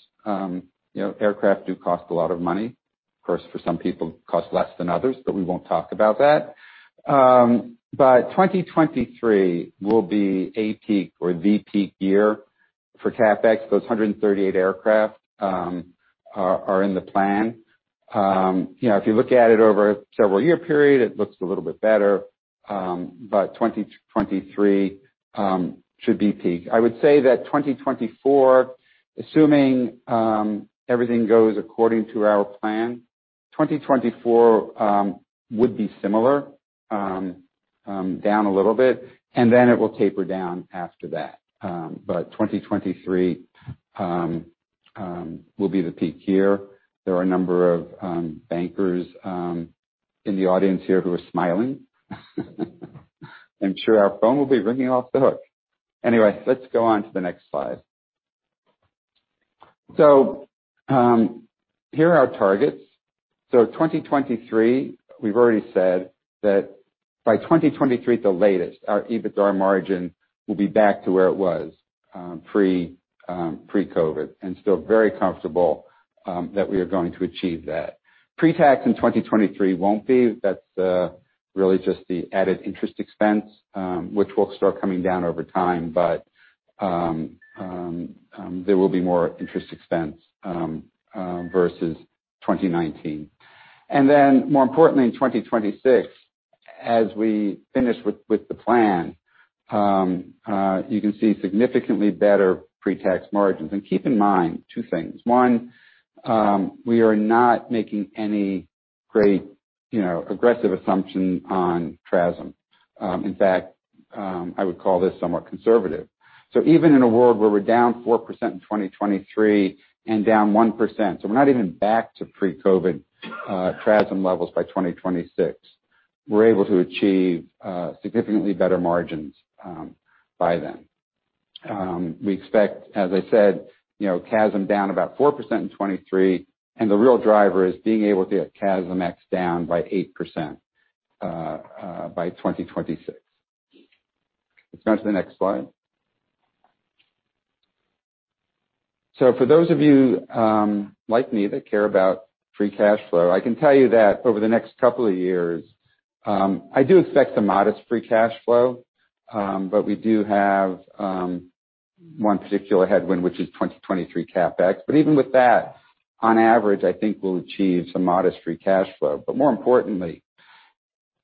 aircraft do cost a lot of money. Of course, for some people, it costs less than others, but we won't talk about that. 2023 will be a peak or the peak year for CapEx. Those 138 aircraft are in the plan. If you look at it over a several-year period, it looks a little bit better. 2023 should be peak. I would say that 2024, assuming everything goes according to our plan, 2024 would be similar, down a little bit, and then it will taper down after that. 2023 will be the peak year. There are a number of bankers in the audience here who are smiling. I'm sure our phone will be ringing off the hook. Let's go on to the next slide. Here are our targets. 2023, we've already said that by 2023 at the latest, our EBITDA margin will be back to where it was pre-COVID, and feel very comfortable that we are going to achieve that. Pre-tax in 2023 won't be. That's really just the added interest expense, which will start coming down over time, but there will be more interest expense versus 2019. More importantly, in 2026, as we finish with the plan, you can see significantly better pre-tax margins. Keep in mind two things. One, we are not making any great aggressive assumption on TRASM. In fact, I would call this somewhat conservative. Even in a world where we're down 4% in 2023 and down 1%, so we're not even back to pre-COVID TRASM levels by 2026. We're able to achieve significantly better margins by then. We expect, as I said, CASM down about 4% in 2023, and the real driver is being able to get CASM-ex down by 8% by 2026. Let's go to the next slide. For those of you, like me that care about free cash flow, I can tell you that over the next couple of years, I do expect a modest free cash flow, but we do have one particular headwind, which is 2023 CapEx. Even with that, on average, I think we'll achieve some modest free cash flow. More importantly,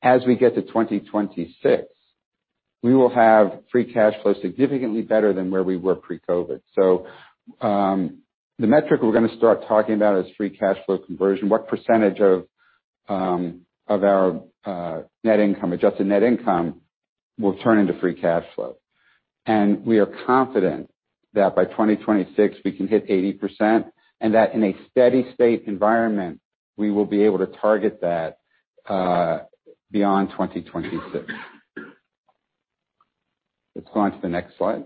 as we get to 2026, we will have free cash flow significantly better than where we were pre-COVID. The metric we're going to start talking about is free cash flow conversion. What percentage of our net income, adjusted net income, will turn into free cash flow? We are confident that by 2026, we can hit 80%, and that in a steady state environment, we will be able to target that beyond 2026. Let's go on to the next slide.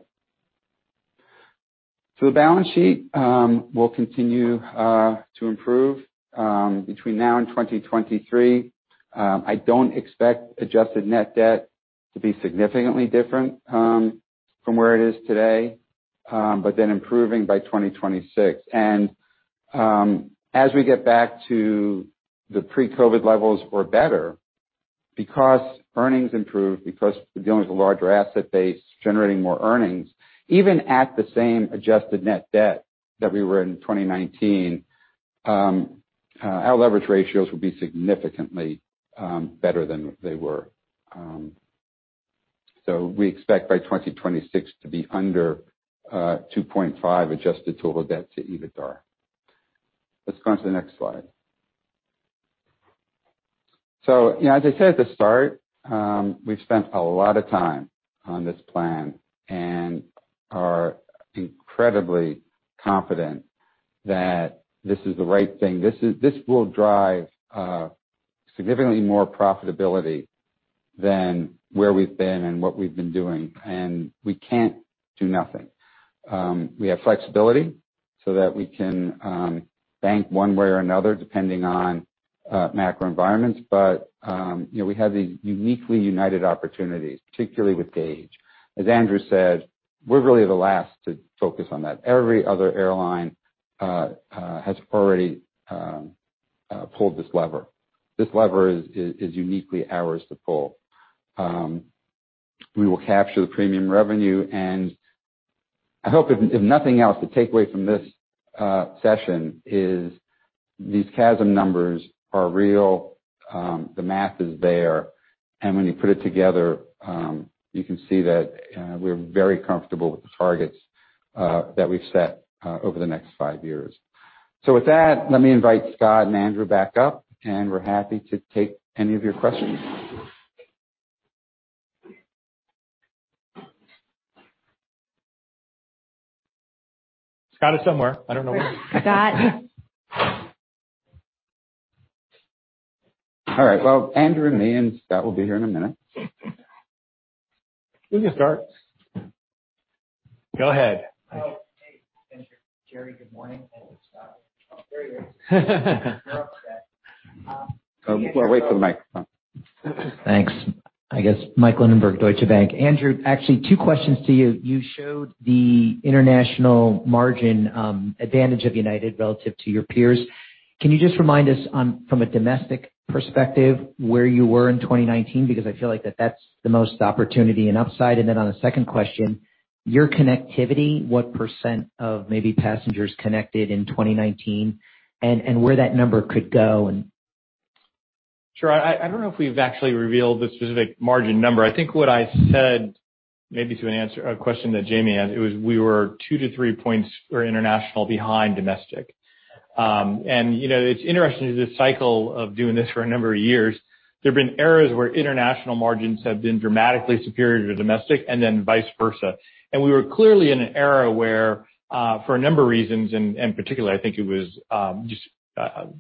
The balance sheet will continue to improve between now and 2023. I don't expect adjusted net debt to be significantly different from where it is today, but then improving by 2026. As we get back to the pre-COVID levels or better, because earnings improved, because we're dealing with a larger asset base generating more earnings, even at the same adjusted net debt that we were in 2019, our leverage ratios will be significantly better than what they were. We expect by 2026 to be under 2.5 adjusted total debt to EBITDA. Let's go to the next slide. As I said at the start, we've spent a lot of time on this plan and are incredibly confident that this is the right thing. This will drive significantly more profitability than where we've been and what we've been doing. We can't do nothing. We have flexibility so that we can bank one way or another, depending on macro environments. We have these uniquely United opportunities, particularly with gauge. As Andrew said, we're really the last to focus on that. Every other airline has already pulled this lever. This lever is uniquely ours to pull. We will capture the premium revenue, and I hope if nothing else, the takeaway from this session is these CASM numbers are real, the math is there, and when you put it together, you can see that we're very comfortable with the targets that we've set over the next five years. With that, let me invite Scott and Andrew back up, and we're happy to take any of your questions. Scott is somewhere. I don't know where. All right. Well, Andrew and me, and Scott will be here in a minute. We can start. Go ahead. Oh, hey, Andrew. Gerry, good morning. Oh, Scott. There you go. We'll wait for the microphone. Thanks. I guess Michael Linenberg, Deutsche Bank. Andrew, actually, two questions to you. You showed the international margin advantage of United relative to your peers. Can you just remind us from a domestic perspective where you were in 2019? I feel like that's the most opportunity and upside. On the second question, your connectivity, what percent of maybe passengers connected in 2019 and where that number could go? Sure. I don't know if we've actually revealed the specific margin number. I think what I said, maybe to answer a question that Jamie asked, it was we were 2 to 3 points for international behind domestic. It's interesting, the cycle of doing this for a number of years. There have been eras where international margins have been dramatically superior to domestic and then vice versa. We were clearly in an era where, for a number of reasons, and in particular, I think it was just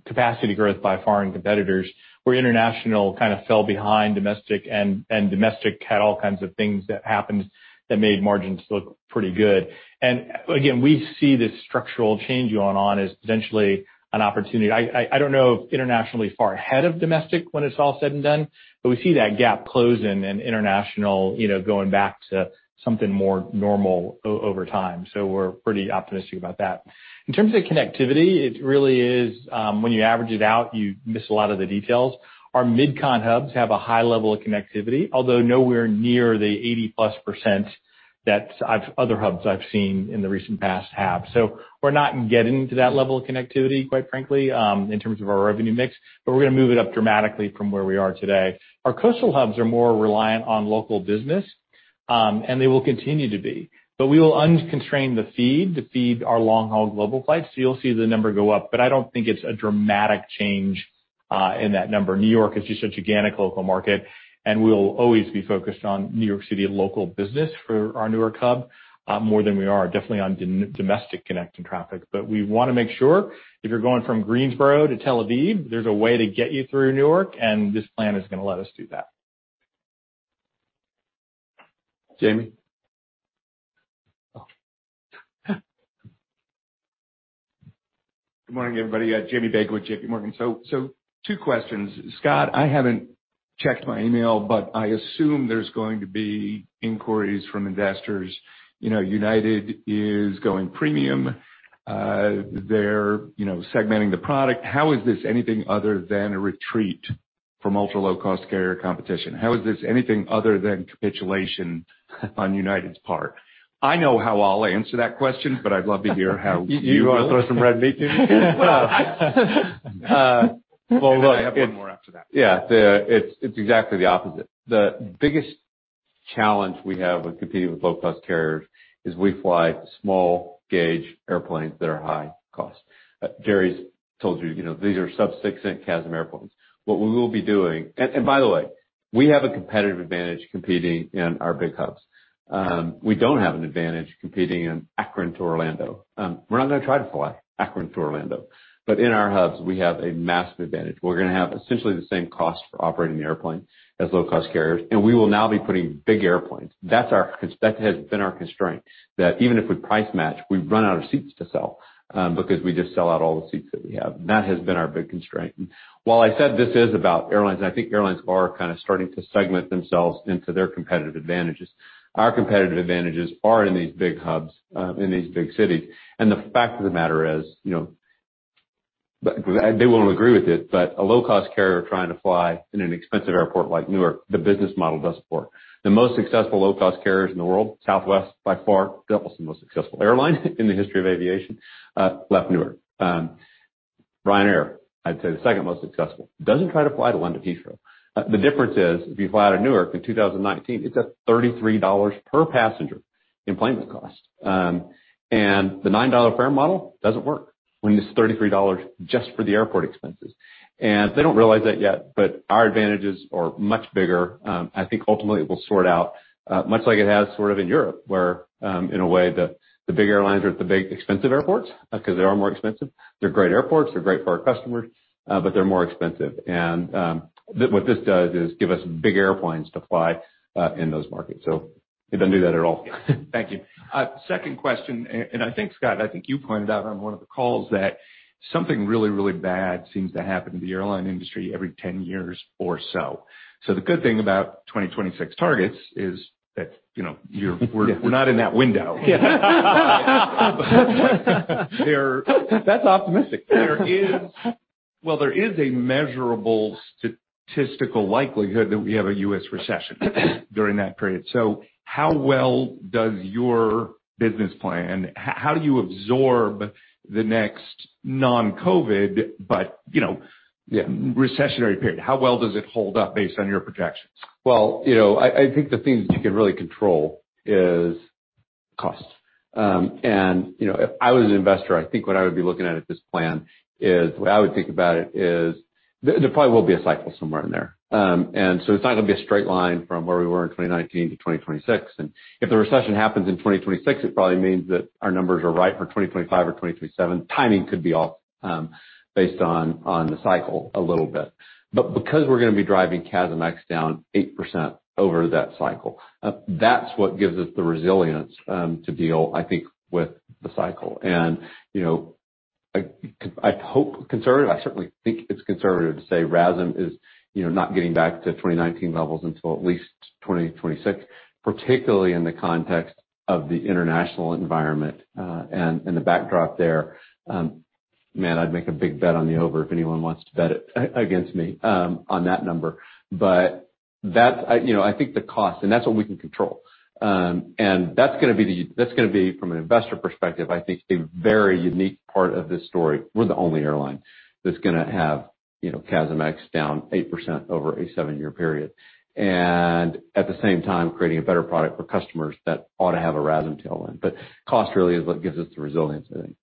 capacity growth by foreign competitors, where international fell behind domestic and domestic had all kinds of things that happened that made margins look pretty good. Again, we see this structural change going on as potentially an opportunity. I don't know if internationally far ahead of domestic when it's all said and done, we see that gap closing and international going back to something more normal over time. We're pretty optimistic about that. In terms of connectivity, it really is when you average it out, you miss a lot of the details. Our mid-con hubs have a high level of connectivity, although nowhere near the 80%+ that other hubs I've seen in the recent past have. We're not getting to that level of connectivity, quite frankly, in terms of our revenue mix, but we're going to move it up dramatically from where we are today. Our coastal hubs are more reliant on local business, and they will continue to be. We will unconstrain the feed our long-haul level flights. You'll see the number go up, but I don't think it's a dramatic change in that number. New York is just a gigantic local market, and we will always be focused on New York City local business for our New York hub more than we are definitely on domestic connecting traffic. We want to make sure if you're going from Greensboro to Tel Aviv, there's a way to get you through New York, and this plan is going to let us do that. Jamie. Good morning, everybody. Jamie Baker with JPMorgan. Two questions. Scott, I haven't checked my email, but I assume there's going to be inquiries from investors. United is going premium. They're segmenting the product. How is this anything other than a retreat from ultra-low-cost carrier competition? How is this anything other than capitulation on United's part? I know how I'll answer that question, but I'd love to hear how you- You want to throw some red meat to me? Well, I have one more after that. Yeah. It's exactly the opposite. The biggest challenge we have with competing with low-cost carriers is we fly small gauge airplanes that are high-cost. Gerry's told you, these are sub 6-cent CASM airplanes. What we will be doing. By the way, we have a competitive advantage competing in our big hubs. We don't have an advantage competing in Akron to Orlando. We're not going to try to fly Akron to Orlando. In our hubs, we have a massive advantage. We're going to have essentially the same cost for operating the airplane as low-cost carriers. We will now be putting big airplanes. That has been our constraint, that even if we price match, we run out of seats to sell because we just sell out all the seats that we have. That has been our big constraint. While I said this is about airlines, I think airlines are starting to segment themselves into their competitive advantages. Our competitive advantages are in these big hubs, in these big cities. The fact of the matter is, they won't agree with it, but a low-cost carrier trying to fly in an expensive airport like Newark, the business model doesn't work. The most successful low-cost carriers in the world, Southwest, by far the most successful airline in the history of aviation, left Newark. Ryanair, I'd say the second most successful, doesn't try to fly to. The difference is if you fly to Newark in 2019, it's at $33 per passenger enplanement cost. The $9 fare model doesn't work when it's $33 just for the airport expenses. They don't realize that yet, but our advantages are much bigger. I think ultimately it will sort out, much like it has sorted in Europe, where in a way the big airlines are at the big expensive airports because they are more expensive. They're great airports, they're great for our customers, but they're more expensive. What this does is give us big airplanes to fly in those markets. We don't do that at all. Thank you. Second question, Scott, I think you pointed out on one of the calls that something really bad seems to happen to the airline industry every 10 years or so. The good thing about 2026 targets is that we're not in that window yet. That's optimistic. Well, there is a measurable statistical likelihood that we have a U.S. recession during that period. How well does your business plan, how do you absorb the next non-COVID, but recessionary period, how well does it hold up based on your projections? Well, I think the thing that you can really control is cost. If I was an investor, I think what I would be looking at with this plan is what I would think about it is there probably will be a cycle somewhere in there. It's not going to be a straight line from where we were in 2019 to 2026. If the recession happens in 2026, it probably means that our numbers are right for 2025 or 2027. Timing could be off based on the cycle a little bit. Because we're going to be driving CASM-ex down 8% over that cycle, that's what gives us the resilience to deal, I think, with the cycle. I hope conservative, I certainly think it's conservative to say RASM is not getting back to 2019 levels until at least 2026, particularly in the context of the international environment and the backdrop there. Man, I'd make a big bet on the over if anyone wants to bet against me on that number, but I think the cost, and that's what we can control. That's going to be, from an investor perspective, I think, a very unique part of this story. We're the only airline that's going to have CASM ex down 8% over a seven-year period, and at the same time creating a better product for customers that ought to have a RASM tailwind, but cost really is what gives us the resilience, I think.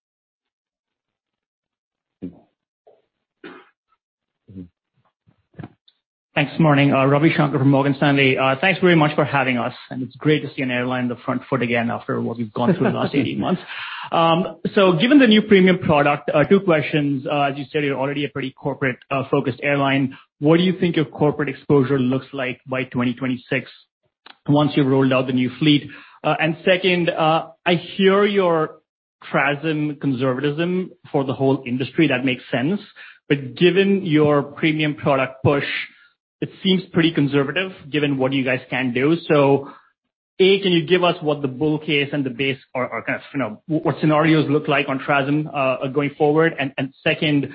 Thanks. Morning. Ravi Shanker from Morgan Stanley. Thanks very much for having us, and it's great to see an airline on the front foot again after what we've gone through in the last 18 months. Given the new premium product, two questions. As you said, you're already a pretty corporate-focused airline. What do you think your corporate exposure looks like by 2026 once you've rolled out the new fleet? Second, I hear your TRASM conservatism for the whole industry. That makes sense. Given your premium product push, it seems pretty conservative given what you guys can do. A, can you give us what the bull case and the base or what scenarios look like on TRASM going forward? Second,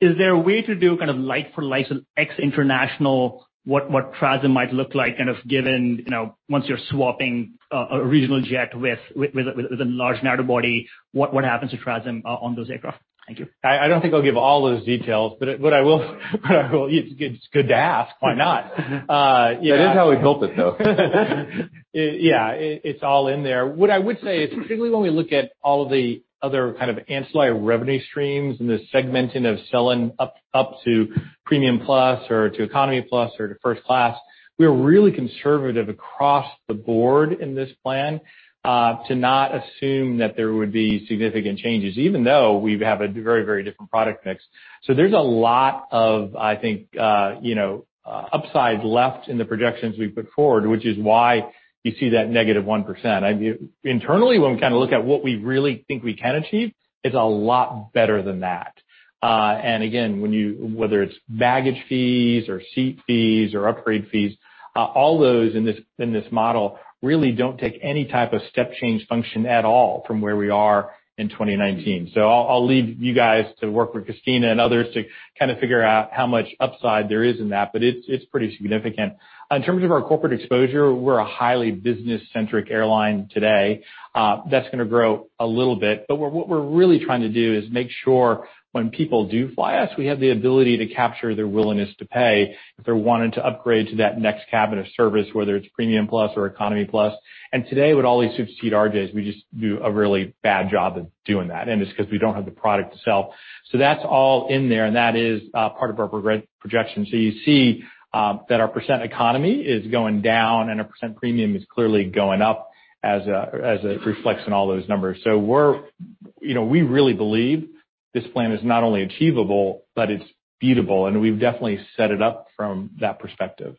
is there a way to do like for like ex international what TRASM might look like, kind of given once you're swapping a regional jet with an enlarged narrow body, what happens to TRASM on those aircraft? Thank you. I don't think I'll give all those details, but it's good to ask. Why not? That is how we built it, though. Yeah, it's all in there. What I would say is particularly when we look at all the other kind of ancillary revenue streams and the segmenting of selling up to Premium Plus or to Economy Plus or to first class, we are really conservative across the board in this plan to not assume that there would be significant changes even though we have a very different product mix. There's a lot of, I think upside left in the projections we put forward, which is why you see that -1%. Internally, when we look at what we really think we can achieve, it's a lot better than that. Again, whether it's baggage fees or seat fees or upgrade fees, all those in this model really don't take any type of step change function at all from where we are in 2019. I'll leave you guys to work with Kristina and others to figure out how much upside there is in that, but it's pretty significant. In terms of our corporate exposure, we're a highly business-centric airline today. That's going to grow a little bit, but what we're really trying to do is make sure when people do fly us, we have the ability to capture their willingness to pay if they're wanting to upgrade to that next cabin of service, whether it's Premium Plus or Economy Plus. Today, with all these 50-seat RJs, we just do a really bad job of doing that, and it's because we don't have the product to sell. That's all in there, and that is part of our projection. You see that our percent economy is going down and our percent premium is clearly going up as it reflects in all those numbers. We really believe this plan is not only achievable, but it's beatable, and we've definitely set it up from that perspective.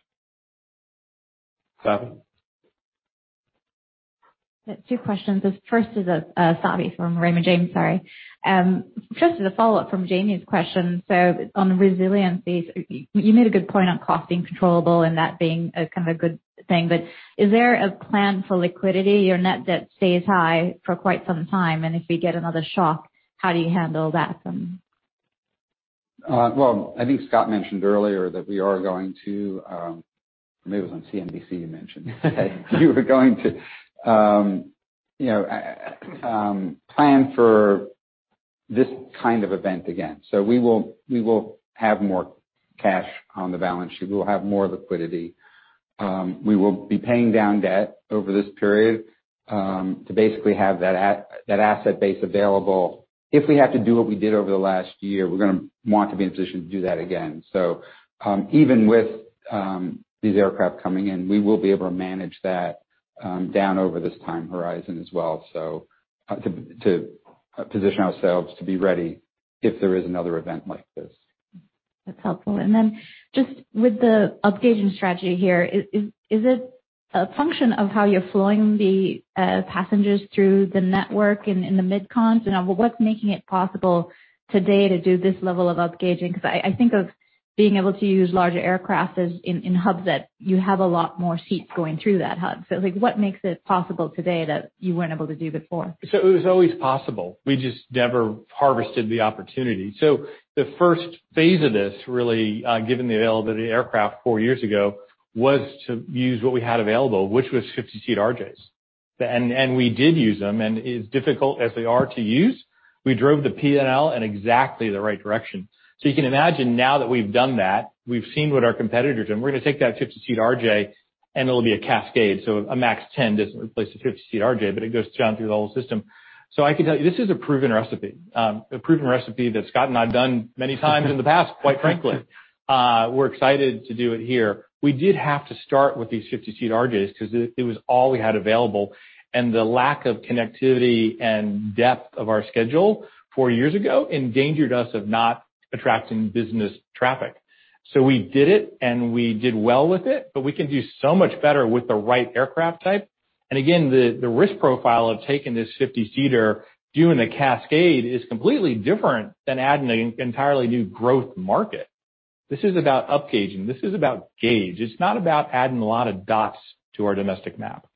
Two questions. This first is a follow-up from Jamie's question. On resiliency, you made a good point on costing controllable and that being a good thing. Is there a plan for liquidity? Your net debt stays high for quite some time, and if you get another shock, how do you handle that then? Well, I think Scott mentioned earlier that maybe it was on CNBC you mentioned today. We are going to plan for this kind of event again. We will have more cash on the balance sheet. We will have more liquidity. We will be paying down debt over this period to basically have that asset base available. If we have to do what we did over the last year, we're going to want to be in a position to do that again. Even with these aircraft coming in, we will be able to manage that down over this time horizon as well, to position ourselves to be ready if there is another event like this. That's helpful. Just with the upgauging strategy here, is it a function of how you're flowing the passengers through the network and in the mid-cons and what's making it possible today to do this level of upgauging? I think of being able to use larger aircraft in hubs that you have a lot more seats going through that hub. What makes it possible today that you weren't able to do before? It was always possible. We just never harvested the opportunity. The first phase of this, really, given the availability of aircraft four years ago, was to use what we had available, which was 50-seat RJs. We did use them. As difficult as they are to use, we drove the P&L in exactly the right direction. You can imagine now that we've done that, we've seen what our competitors are doing, we're going to take that 50-seat RJ, and it'll be a cascade. A MAX 10 doesn't replace a 50-seat RJ, but it goes down through the whole system. I can tell you, this is a proven recipe that Scott and I have done many times in the past, quite frankly. We're excited to do it here. We did have to start with these 50-seat RJs because it was all we had available. The lack of connectivity and depth of our schedule four years ago endangered us of not attracting business traffic. We did it, and we did well with it, but we can do so much better with the right aircraft type. Again, the risk profile of taking this 50-seater doing a cascade is completely different than adding an entirely new growth market. This is about upgauging. This is about gauge. It's not about adding a lot of dots to our domestic map.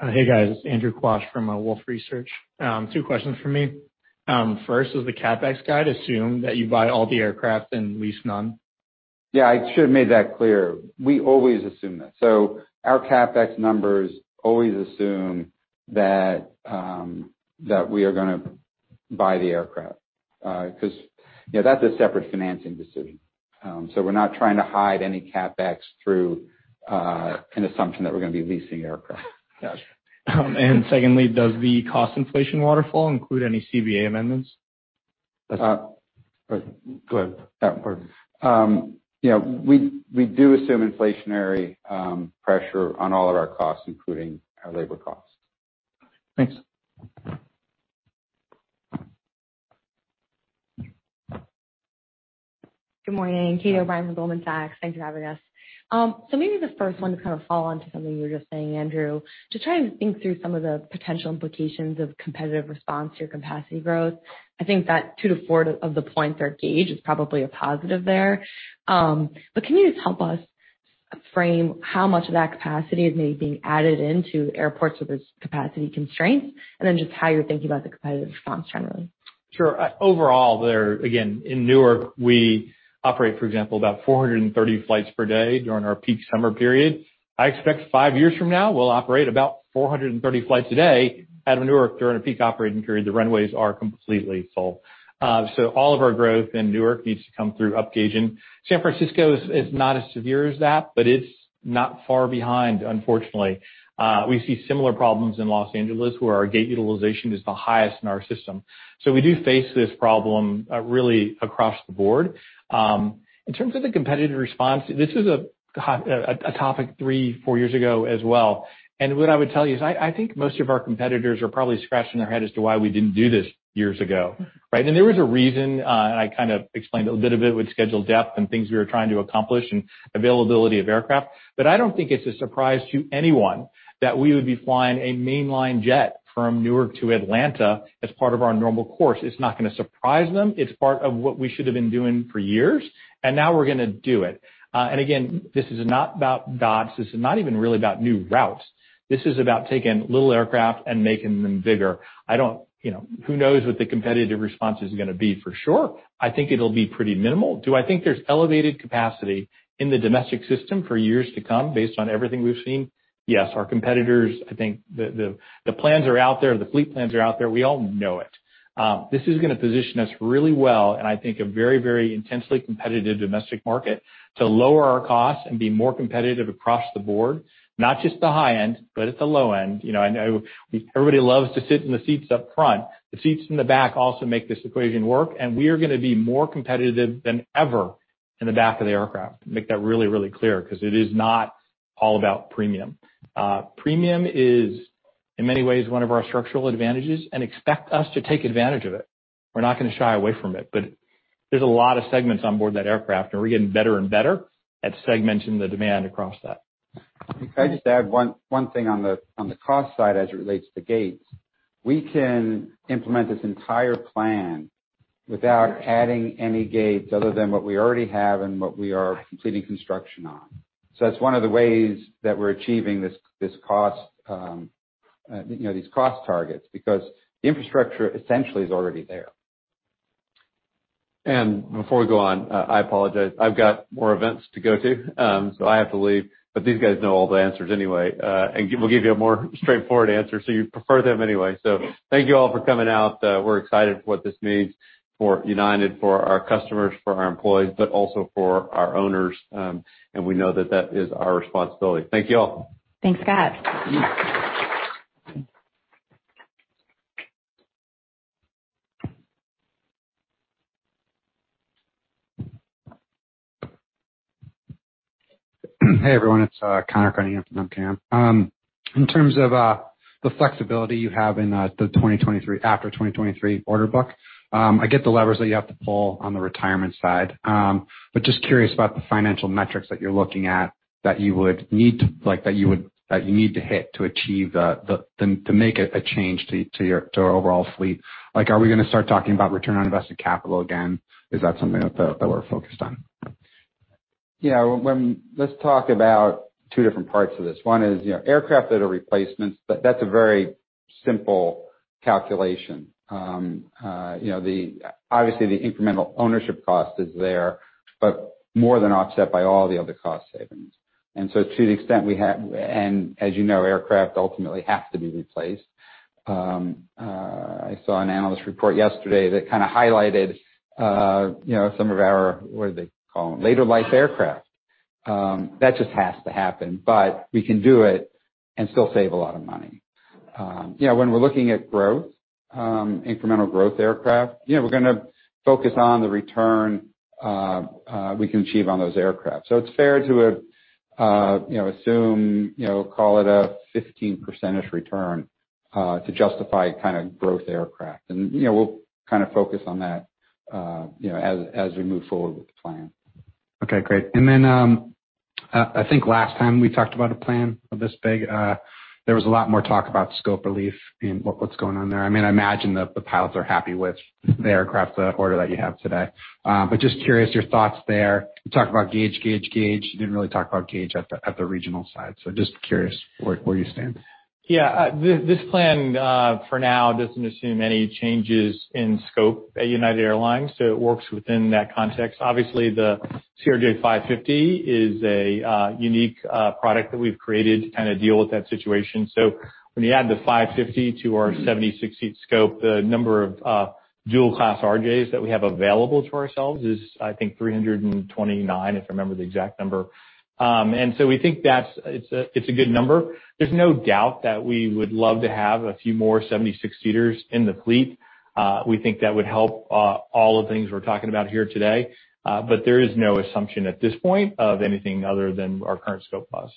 Hey, guys. Andrew Quach from Wolfe Research. Two questions from me. First, does the CapEx guide assume that you buy all the aircraft and lease none? Yeah, I should have made that clear. We always assume that. Our CapEx numbers always assume that we are going to buy the aircraft because that's a separate financing decision. We're not trying to hide any CapEx through an assumption that we're going to be leasing aircraft. Got you. Secondly, does the cost inflation waterfall include any CBA amendments? Good. Yeah, we do assume inflationary pressure on all of our costs, including our labor costs. Thanks. Good morning. Catie O'Brien with Goldman Sachs. Thanks for having us. Maybe the first one kind of fall onto something you were just saying, Andrew, to try and think through some of the potential implications of competitive response to capacity growth. I think that 2-4 of the points are gauge is probably a positive there. Can you just help us frame how much of that capacity is maybe being added into airports with its capacity constraints? Just how you're thinking about the competitive response generally? Sure. Overall, there again, in Newark, we operate, for example, about 430 flights per day during our peak summer period. I expect five years from now, we'll operate about 430 flights a day out of Newark during a peak operating period. The runways are completely full. All of our growth in Newark needs to come through upgauging. San Francisco is not as severe as that, but it's not far behind, unfortunately. We see similar problems in Los Angeles, where our gate utilization is the highest in our system. We do face this problem really across the board. In terms of the competitive response, this was a topic three, four years ago as well. What I would tell you is I think most of our competitors are probably scratching their head as to why we didn't do this years ago. Right? There was a reason, and I explained a little bit with schedule depth and things we were trying to accomplish and availability of aircraft. I don't think it's a surprise to anyone that we would be flying a mainline jet from Newark to Atlanta as part of our normal course. It's not going to surprise them. It's part of what we should have been doing for years, and now we're going to do it. Again, this is not about dots. This is not even really about new routes. This is about taking little aircraft and making them bigger. Who knows what the competitive response is going to be for sure? I think it'll be pretty minimal. Do I think there's elevated capacity in the domestic system for years to come based on everything we've seen? Yes. Our competitors, I think, the plans are out there. The fleet plans are out there. We all know it. This is going to position us really well, and I think a very, very intensely competitive domestic market to lower our costs and be more competitive across the board, not just the high end, but at the low end. I know everybody loves to sit in the seats up front. The seats in the back also make this equation work, and we are going to be more competitive than ever in the back of the aircraft. Make that really, really clear because it is not all about premium. Premium is in many ways one of our structural advantages and expect us to take advantage of it. We're not going to shy away from it, but there's a lot of segments on board that aircraft, and we're getting better and better at segmenting the demand across that. If I just add one thing on the cost side as it relates to gauge. We can implement this entire plan without adding any gates other than what we already have and what we are completing construction on. That's one of the ways that we're achieving these cost targets, because the infrastructure essentially is already there. Before I go on, I apologize, I've got more events to go to, so I have to leave. These guys know all the answers anyway. We'll give you a more straightforward answer, so you prefer them anyway. Thank you all for coming out. We're excited for what this means for United, for our customers, for our employees, but also for our owners. We know that that is our responsibility. Thank you all. Thanks, Scott. Hey, everyone. It's Conor Cunningham from Melius Research. In terms of the flexibility you have in the after 2023 order book, I get the levers that you have to pull on the retirement side. Just curious about the financial metrics that you're looking at that you need to hit to make a change to your overall fleet. Are we going to start talking about return on invested capital again? Is that something that we're focused on? Let's talk about two different parts of this. One is, aircraft that are replacements, but that's a very simple calculation. Obviously, the incremental ownership cost is there, but more than offset by all the other cost savings. As you know, aircraft ultimately have to be replaced. I saw an analyst report yesterday that highlighted some of our, what do they call them? Later life aircraft. That just has to happen. We can do it and still save a lot of money. When we're looking at incremental growth aircraft, we're going to focus on the return we can achieve on those aircraft. It's fair to assume, call it a 15% return, to justify growth aircraft. We'll focus on that as we move forward with the plan. Okay, great. I think last time we talked about a plan of this big, there was a lot more talk about scope relief and what's going on there. I imagine that the pilots are happy with the aircraft order that you have today. Just curious your thoughts there. You talked about gauge. You didn't really talk about gauge at the regional side. Just curious where you stand. Yeah. This plan, for now, doesn't assume any changes in scope at United Airlines, so it works within that context. Obviously, the CRJ-550 is a unique product that we've created to deal with that situation. When you add the 550 to our 76 seat scope, the number of dual-class RJs that we have available to ourselves is, I think 329, if I remember the exact number. We think that it's a good number. There's no doubt that we would love to have a few more 76 seaters in the fleet. We think that would help all the things we're talking about here today. There is no assumption at this point of anything other than our current scope plans.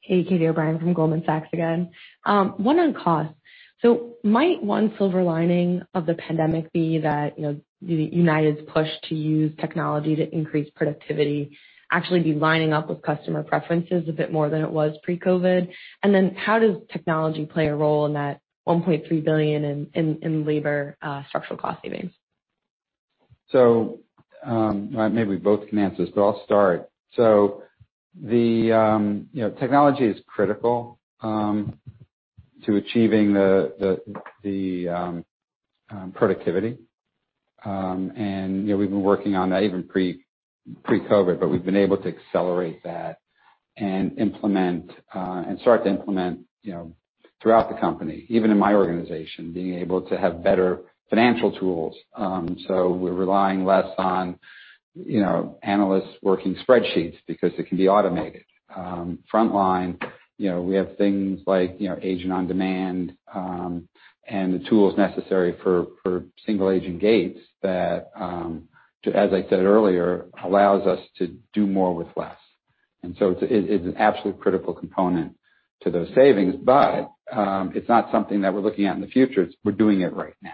Hey, Catie O'Brien from Goldman Sachs again. What are the costs? Might one silver lining of the pandemic be that United's push to use technology to increase productivity actually be lining up with customer preferences a bit more than it was pre-COVID? How does technology play a role in that $1.3 billion in labor structural cost savings? Maybe we both can answer, I'll start. Technology is critical to achieving the productivity. We've been working on that even pre-COVID, but we've been able to accelerate that and start to implement throughout the company, even in my organization, being able to have better financial tools. We're relying less on analysts working spreadsheets because it can be automated. Frontline, we have things like Agent on Demand, and the tools necessary for single-agent gates that, as I said earlier, allows us to do more with less. It's an absolutely critical component to those savings. It's not something that we're looking at in the future. We're doing it right now.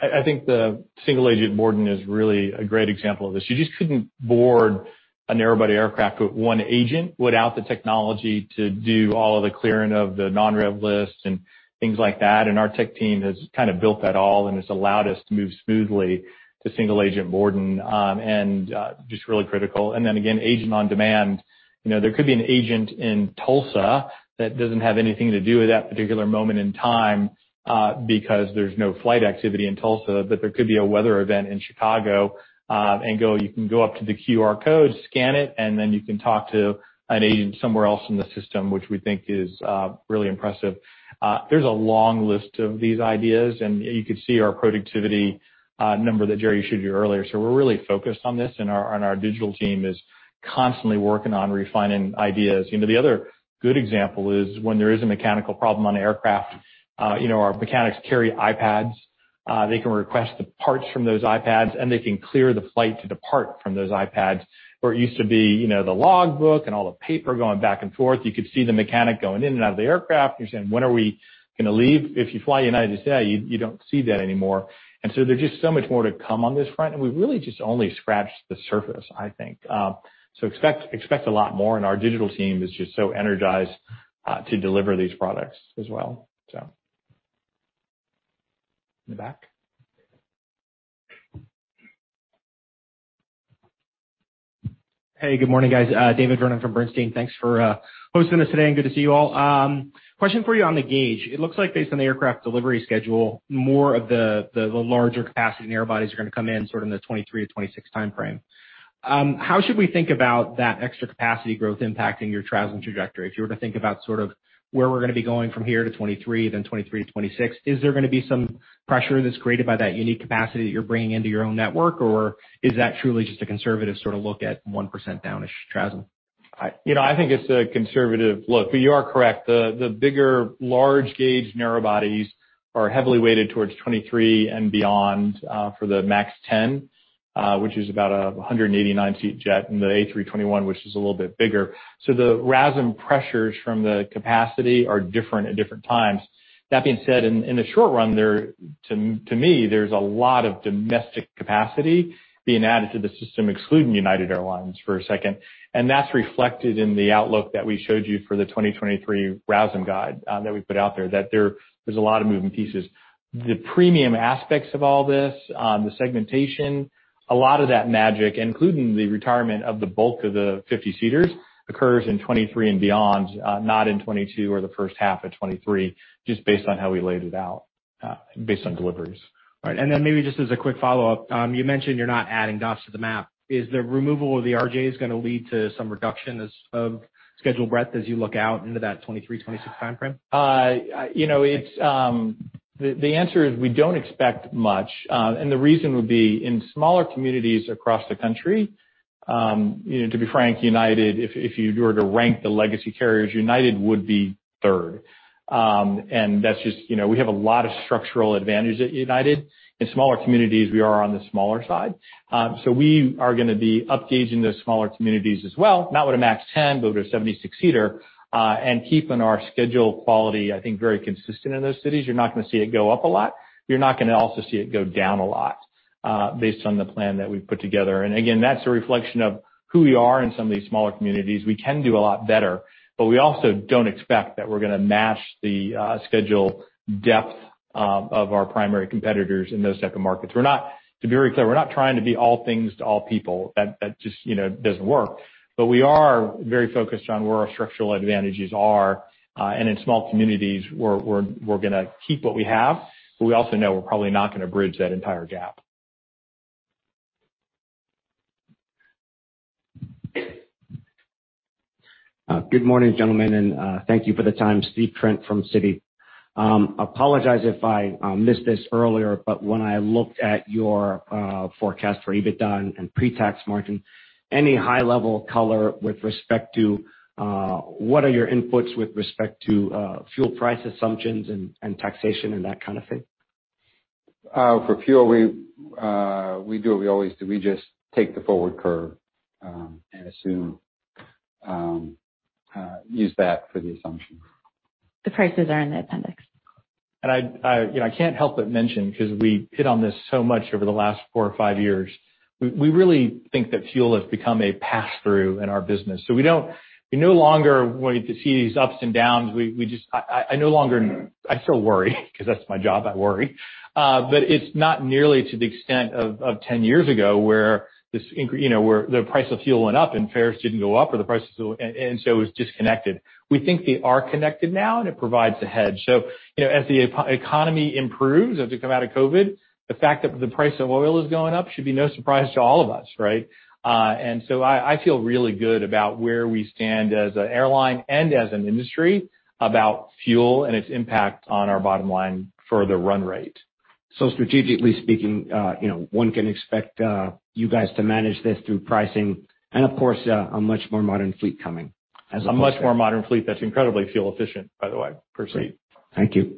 I think the single-agent boarding is really a great example of this. You just couldn't board an Airbus aircraft with one agent without the technology to do all the clearing of the non-rev lists and things like that, and our tech team has built that all and has allowed us to move smoothly to single-agent boarding, and just really critical. Again, Agent on Demand. There could be an agent in Tulsa that doesn't have anything to do at that particular moment in time because there's no flight activity in Tulsa, but there could be a weather event in Chicago, and you can go up to the QR code, scan it, and then you can talk to an agent somewhere else in the system, which we think is really impressive. There's a long list of these ideas, and you could see our productivity number that Gerry showed you earlier. We're really focused on this, and our digital team is constantly working on refining ideas. The other good example is when there is a mechanical problem on an aircraft, our mechanics carry iPads. They can request the parts from those iPads, and they can clear the flight to depart from those iPads. Where it used to be the logbook and all the paper going back and forth. You could see the mechanic going in and out of the aircraft. You're saying, "When are we going to leave?" If you fly United today, you don't see that anymore. There's just so much more to come on this front, and we've really just only scratched the surface, I think. Expect a lot more, and our digital team is just so energized to deliver these products as well. In the back. Hey, good morning, guys. David Vernon from Bernstein. Thanks for hosting us today. Good to see you all. Question for you on the gauge. It looks like based on the aircraft delivery schedule, more of the larger capacity narrowbodies are going to come in sort of in the 2023-2026 timeframe. How should we think about that extra capacity growth impacting your travel trajectory? If you were to think about where we're going to be going from here to 2023, then 2023 to 2026. Is there going to be some pressure that's created by that unique capacity that you're bringing into your own network? Is that truly just a conservative sort of look at 1% downish CASM? I think it's a conservative look, but you are correct. The bigger large gauge narrowbodies are heavily weighted towards 2023 and beyond, for the MAX 10, which is about a 189-seat jet and the A321, which is a little bit bigger. The RASM pressures from the capacity are different at different times. That being said, in the short run, to me, there's a lot of domestic capacity being added to the system, excluding United Airlines for a second. That's reflected in the outlook that we showed you for the 2023 RASM guide that we put out there, that there's a lot of moving pieces. The premium aspects of all this, the segmentation, a lot of that magic, including the retirement of the bulk of the 50-seaters, occurs in 2023 and beyond, not in 2022 or the first half of 2023, just based on how we laid it out based on deliveries. All right. Maybe just as a quick follow-up, you mentioned you're not adding dots to the map. Is the removal of the RJs going to lead to some reduction of schedule breadth as you look out into that 2023, 2026 timeframe? The answer is we don't expect much. The reason would be in smaller communities across the country, to be frank, if you were to rank the legacy carriers, United would be third. That's just we have a lot of structural advantage at United. In smaller communities, we are on the smaller side. We are going to be upgauging those smaller communities as well, not with a 737 MAX 10, but with a 76-seater. Keeping our schedule quality, I think very consistent in those cities. You're not going to see it go up a lot. You're not going to also see it go down a lot, based on the plan that we've put together. Again, that's a reflection of who we are in some of these smaller communities. We can do a lot better, but we also don't expect that we're going to match the schedule depth of our primary competitors in those type of markets. To be very clear, we're not trying to be all things to all people. That just doesn't work. We are very focused on where our structural advantages are. In small communities, we're going to keep what we have, but we also know we're probably not going to bridge that entire gap. Good morning, gentlemen. Thank you for the time. Steve Trent from Citi. I apologize if I missed this earlier. When I looked at your forecast for EBITDA and pretax margin, any high level of color with respect to what are your inputs with respect to fuel price assumptions and taxation and that kind of thing? For fuel, we do. We just take the forward curve and use that for the assumption. The prices are in the appendix. I can't help but mention because we hit on this so much over the last four or five years. We really think that fuel has become a pass-through in our business. We no longer want to see these ups and downs. I still worry because that's my job, I worry. It's not nearly to the extent of 10 years ago where the price of fuel went up and fares didn't go up or it was disconnected. We think they are connected now and it provides a hedge. As the economy improves, as we come out of COVID, the fact that the price of oil is going up should be no surprise to all of us, right? I feel really good about where we stand as an airline and as an industry about fuel and its impact on our bottom line for the run rate. Strategically speaking, one can expect you guys to manage this through pricing and of course, a much more modern fleet coming. A much more modern fleet that's incredibly fuel efficient, by the way. Appreciate it. Thank you.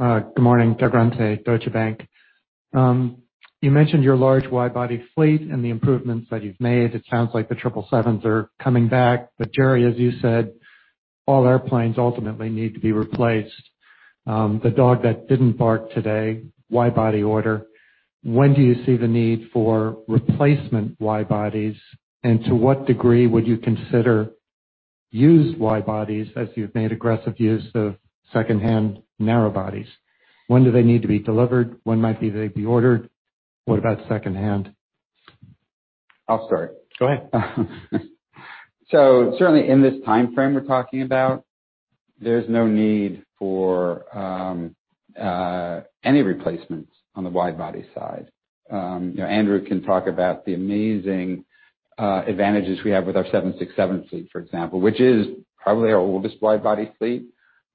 Good morning. Deutsche Bank. You mentioned your large wide-body fleet and the improvements that you've made. It sounds like the 777s are coming back. Gerry, as you said, all airplanes ultimately need to be replaced. The dog that didn't bark today, wide-body order. When do you see the need for replacement wide-bodies, and to what degree would you consider used wide-bodies as you've made aggressive use of secondhand narrow-bodies? When do they need to be delivered? When might they be ordered? What about secondhand? I'll start. Sure. Certainly, in this timeframe we're talking about, there's no need for any replacements on the wide-body side. Andrew can talk about the amazing advantages we have with our 767 fleet, for example, which is probably our oldest wide-body fleet.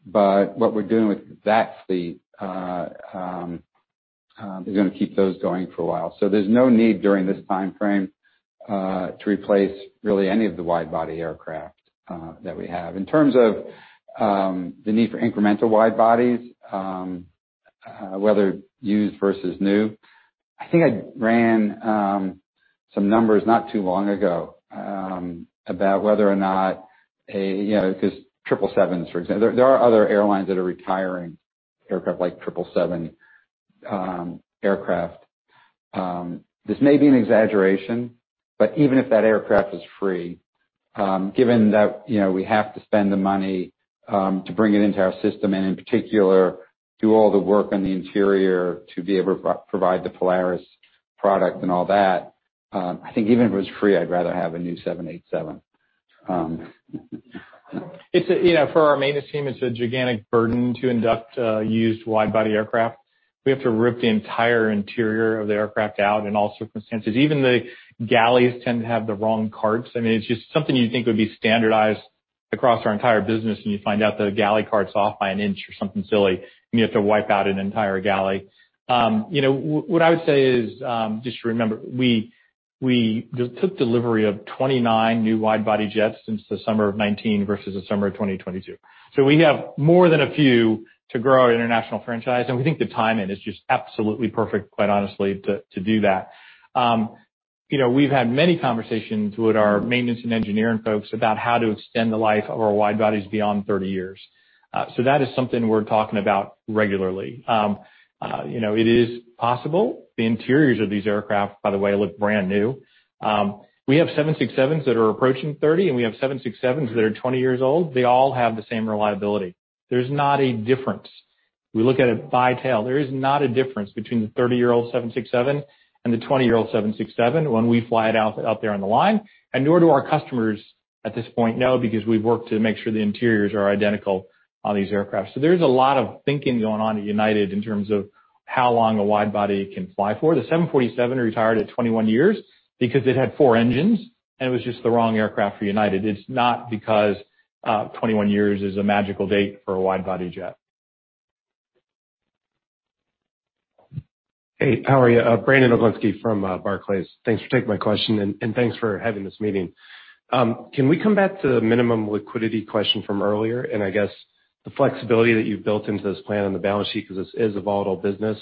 What we're doing with that fleet is going to keep those going for a while. There's no need during this timeframe to replace really any of the wide-body aircraft that we have. In terms of the need for incremental wide-bodies, whether used versus new. I think I ran some numbers not too long ago about whether or not, because 777s, for example. There are other airlines that are retiring aircraft like 777 aircraft. This may be an exaggeration, but even if that aircraft is free, given that we have to spend the money to bring it into our system, and in particular, do all the work on the interior to be able to provide the Polaris product and all that, I think even if it was free, I'd rather have a new 787. For our maintenance team, it's a gigantic burden to induct used wide-body aircraft. We have to rip the entire interior of the aircraft out in all circumstances. Even the galleys tend to have the wrong carts. It's just something you think would be standardized across our entire business, and you find out that a galley cart's off by an inch or something silly, and you have to wipe out an entire galley. What I would say is just remember, we took delivery of 29 new wide-body jets since the summer of 2019 versus the summer of 2022. We have more than a few to grow our international franchise, and we think the timing is just absolutely perfect, quite honestly, to do that. We've had many conversations with our maintenance and engineering folks about how to extend the life of our wide-bodies beyond 30 years. That is something we're talking about regularly. It is possible. The interiors of these aircraft, by the way, look brand new. We have 767s that are approaching 30, and we have 767s that are 20 years old. They all have the same reliability. There's not a difference. We look at it by tail. There is not a difference between the 30-year-old 767 and the 20-year-old 767 when we fly it out there on the line. Nor do our customers at this point know because we've worked to make sure the interiors are identical on these aircraft. There's a lot of thinking going on at United in terms of how long a wide-body can fly for. The 747 retired at 21 years because it had four engines, and it was just the wrong aircraft for United. It's not because 21 years is a magical date for a wide-body jet. Hey, how are you? Brandon Oglenski from Barclays. Thanks for taking my question, and thanks for having this meeting. Can we come back to the minimum liquidity question from earlier? I guess the flexibility that you've built into this plan on the balance sheet, because this is a volatile business.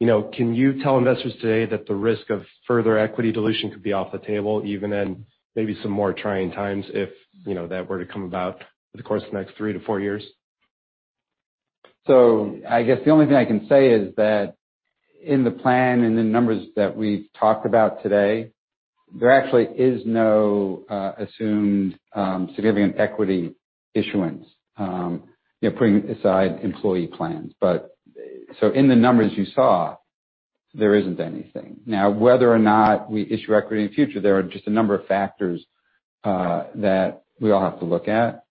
Can you tell investors today that the risk of further equity dilution could be off the table, even in maybe some more trying times, if that were to come about over the course of the next three, four years? I guess the only thing I can say is that in the plan and the numbers that we talked about today, there actually is no assumed significant equity issuance, putting aside employee plans. In the numbers you saw, there isn't anything. Whether or not we issue equity in future, there are just a number of factors that we all have to look at,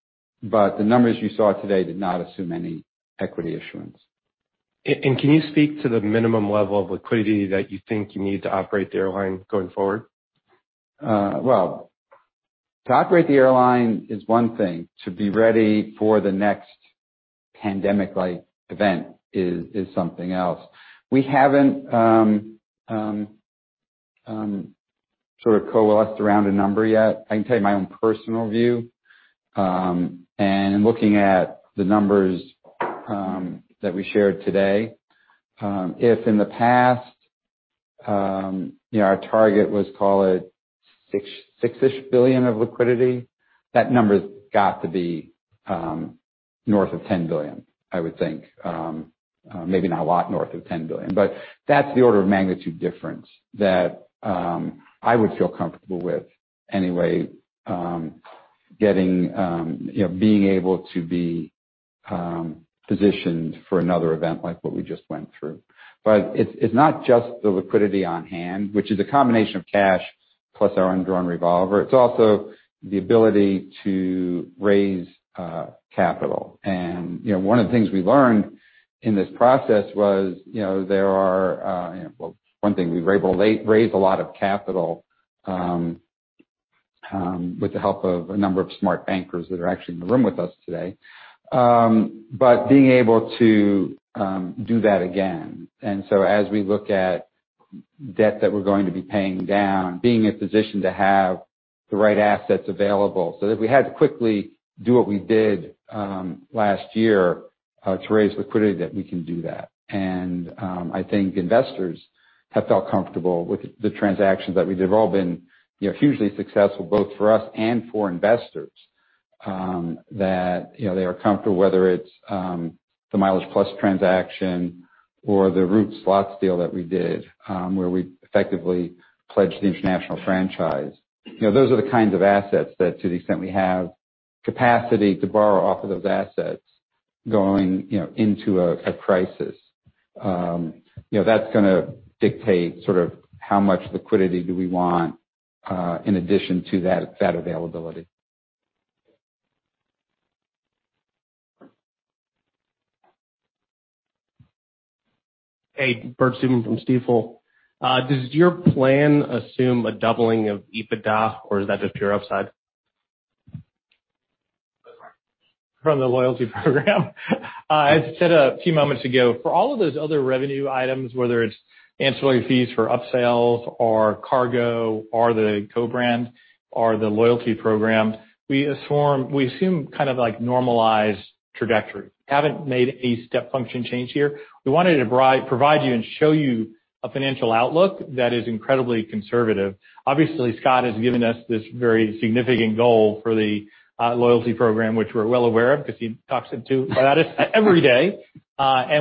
but the numbers you saw today did not assume any equity issuance. Can you speak to the minimum level of liquidity that you think you need to operate the airline going forward? Well, to operate the airline is one thing. To be ready for the next pandemic-like event is something else. We haven't coalesced around a number yet. I can tell you my own personal view, and looking at the numbers that we shared today. If in the past, our target was, call it $6-ish billion of liquidity, that number's got to be north of $10 billion, I would think. Maybe not a lot north of $10 billion, but that's the order of magnitude difference that I would feel comfortable with anyway, being able to be positioned for another event like what we just went through. But it's not just the liquidity on hand, which is a combination of cash plus our undrawn revolver. It's also the ability to raise capital. One of the things we learned in this process was one thing we were able to raise a lot of capital with the help of a number of smart bankers that are actually in the room with us today. Being able to do that again. As we look at debt that we're going to be paying down, being in a position to have the right assets available so that if we had to quickly do what we did last year to raise liquidity, that we can do that. I think investors have felt comfortable with the transactions that we did. They've all been hugely successful, both for us and for investors, that they are comfortable, whether it's the MileagePlus transaction or the route slots deal that we did, where we effectively pledged the international franchise. Those are the kinds of assets that, to the extent we have capacity to borrow off of those assets going into a crisis. That's going to dictate how much liquidity do we want in addition to that availability. Hey, Bert Subin from Stifel. Does your plan assume a doubling of EBITDA, or is that to the pure upside? From the loyalty program? I said a few moments ago, for all of those other revenue items, whether it's ancillary fees for upsells or cargo or the co-brand or the loyalty program, we assume a normalized trajectory. Haven't made a step function change here. We wanted to provide you a financial outlook that is incredibly conservative. Obviously, Scott has given us this very significant goal for the loyalty program, which we're well aware of because he talks about it every day.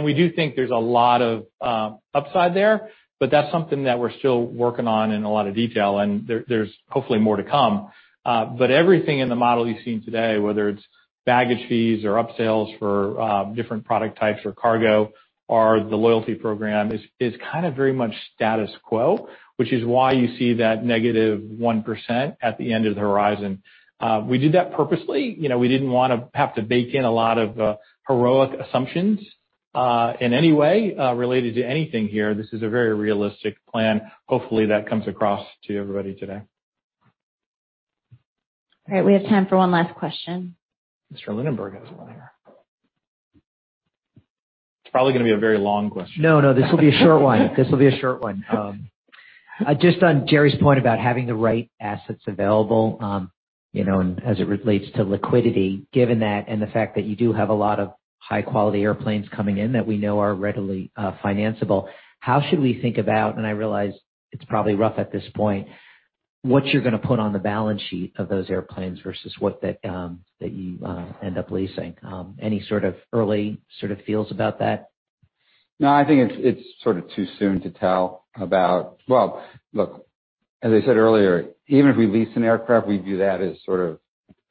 We do think there's a lot of upside there, but that's something that we're still working on in a lot of detail, and there's hopefully more to come. Everything in the model you've seen today, whether it's baggage fees or upsales for different product types or cargo or the loyalty program, is very much status quo, which is why you see that negative 1% at the end of the horizon. We did that purposely. We didn't want to have to bake in a lot of heroic assumptions in any way related to anything here. This is a very realistic plan. Hopefully, that comes across to everybody today. Great. We have time for one last question. Mr. Linenberg has one. It's probably going to be a very long question. No, no, this will be a short one. This will be a short one. Just on Gerry's point about having the right assets available as it relates to liquidity, given that and the fact that you do have a lot of high-quality airplanes coming in that we know are readily financeable, how should we think about, and I realize it's probably rough at this point, what you're going to put on the balance sheet of those airplanes versus what you end up leasing? Any sort of early feels about that? No, I think it's too soon to tell. Well, look, as I said earlier, even if we lease an aircraft, we view that as sort of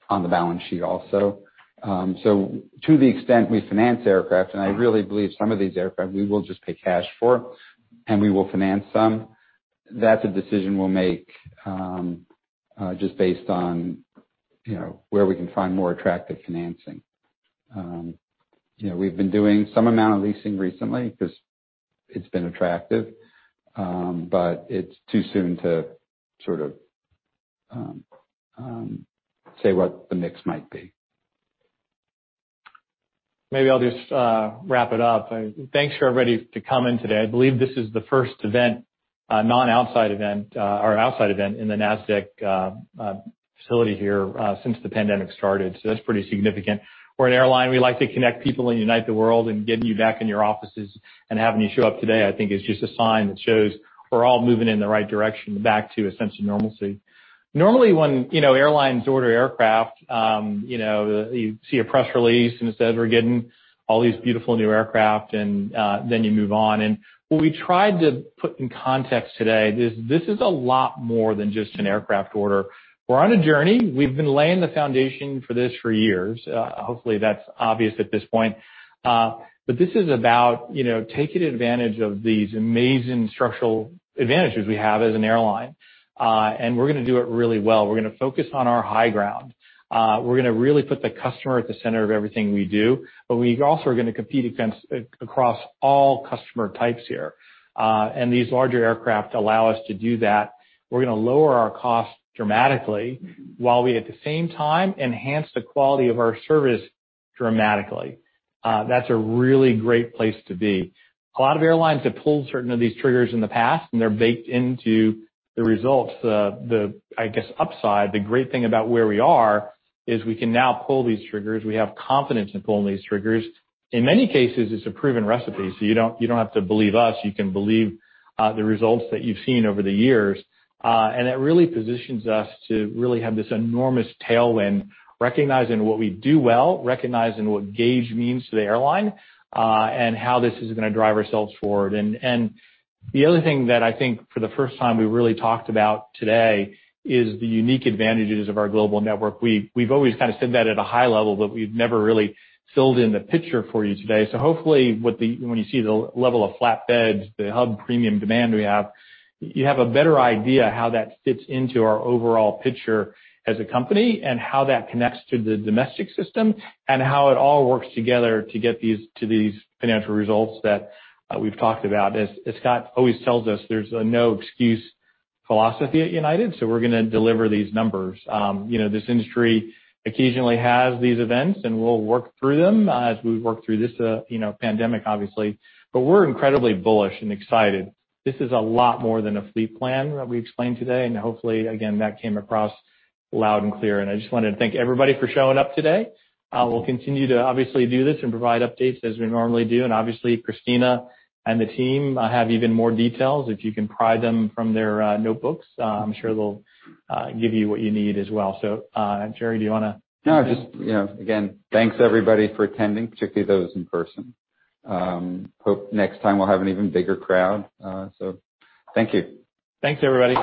on the balance sheet also. To the extent we finance aircraft, and I really believe some of these aircraft we will just take cash for, and we will finance some. That's a decision we'll make just based on where we can find more attractive financing. We've been doing some amount of leasing recently because it's been attractive, but it's too soon to say what the mix might be. Maybe I'll just wrap it up. Thanks for everybody to coming today. I believe this is the first outside event in the Nasdaq facility here since the pandemic started. That's pretty significant. We're an airline. We like to connect people and unite the world and getting you back in your offices and having you show up today, I think is just a sign that shows we're all moving in the right direction back to a sense of normalcy. Normally, when airlines order aircraft, you see a press release and it says we're getting all these beautiful new aircraft and then you move on. What we tried to put in context today, this is a lot more than just an aircraft order. We're on a journey. We've been laying the foundation for this for years. Hopefully, that's obvious at this point. This is about taking advantage of these amazing structural advantages we have as an airline. We're going to do it really well. We're going to focus on our high ground. We're going to really put the customer at the center of everything we do, but we also are going to compete against across all customer types here. These larger aircraft allow us to do that. We're going to lower our cost dramatically while we, at the same time, enhance the quality of our service dramatically. That's a really great place to be. A lot of airlines have pulled certain of these triggers in the past, and they're baked into the results. The, I guess, upside, the great thing about where we are is we can now pull these triggers. We have confidence in pulling these triggers. In many cases, it's a proven recipe. You don't have to believe us. You can believe the results that you've seen over the years. It really positions us to really have this enormous tailwind, recognizing what we do well, recognizing what gauge means to the airline, and how this is going to drive ourselves forward. The other thing that I think for the first time we really talked about today is the unique advantages of our global network. We've always said that at a high level, but we've never really filled in the picture for you today. Hopefully, when you see the level of flatbeds, the hub premium demand we have, you have a better idea how that fits into our overall picture as a company and how that connects to the domestic system and how it all works together to get to these financial results that we've talked about. As Scott always tells us, there's a no excuse philosophy at United, so we're going to deliver these numbers. This industry occasionally has these events, and we'll work through them as we work through this pandemic, obviously. We're incredibly bullish and excited. This is a lot more than a fleet plan that we explained today, and hopefully, again, that came across loud and clear. I just want to thank everybody for showing up today. We'll continue to obviously do this and provide updates as we normally do. Obviously, Kristina and the team have even more details. If you can pry them from their notebooks, I'm sure they'll give you what you need as well. Gerry, do you want to? No, just again, thanks everybody for attending, particularly those in person. Hope next time we'll have an even bigger crowd. Thank you. Thanks, everybody.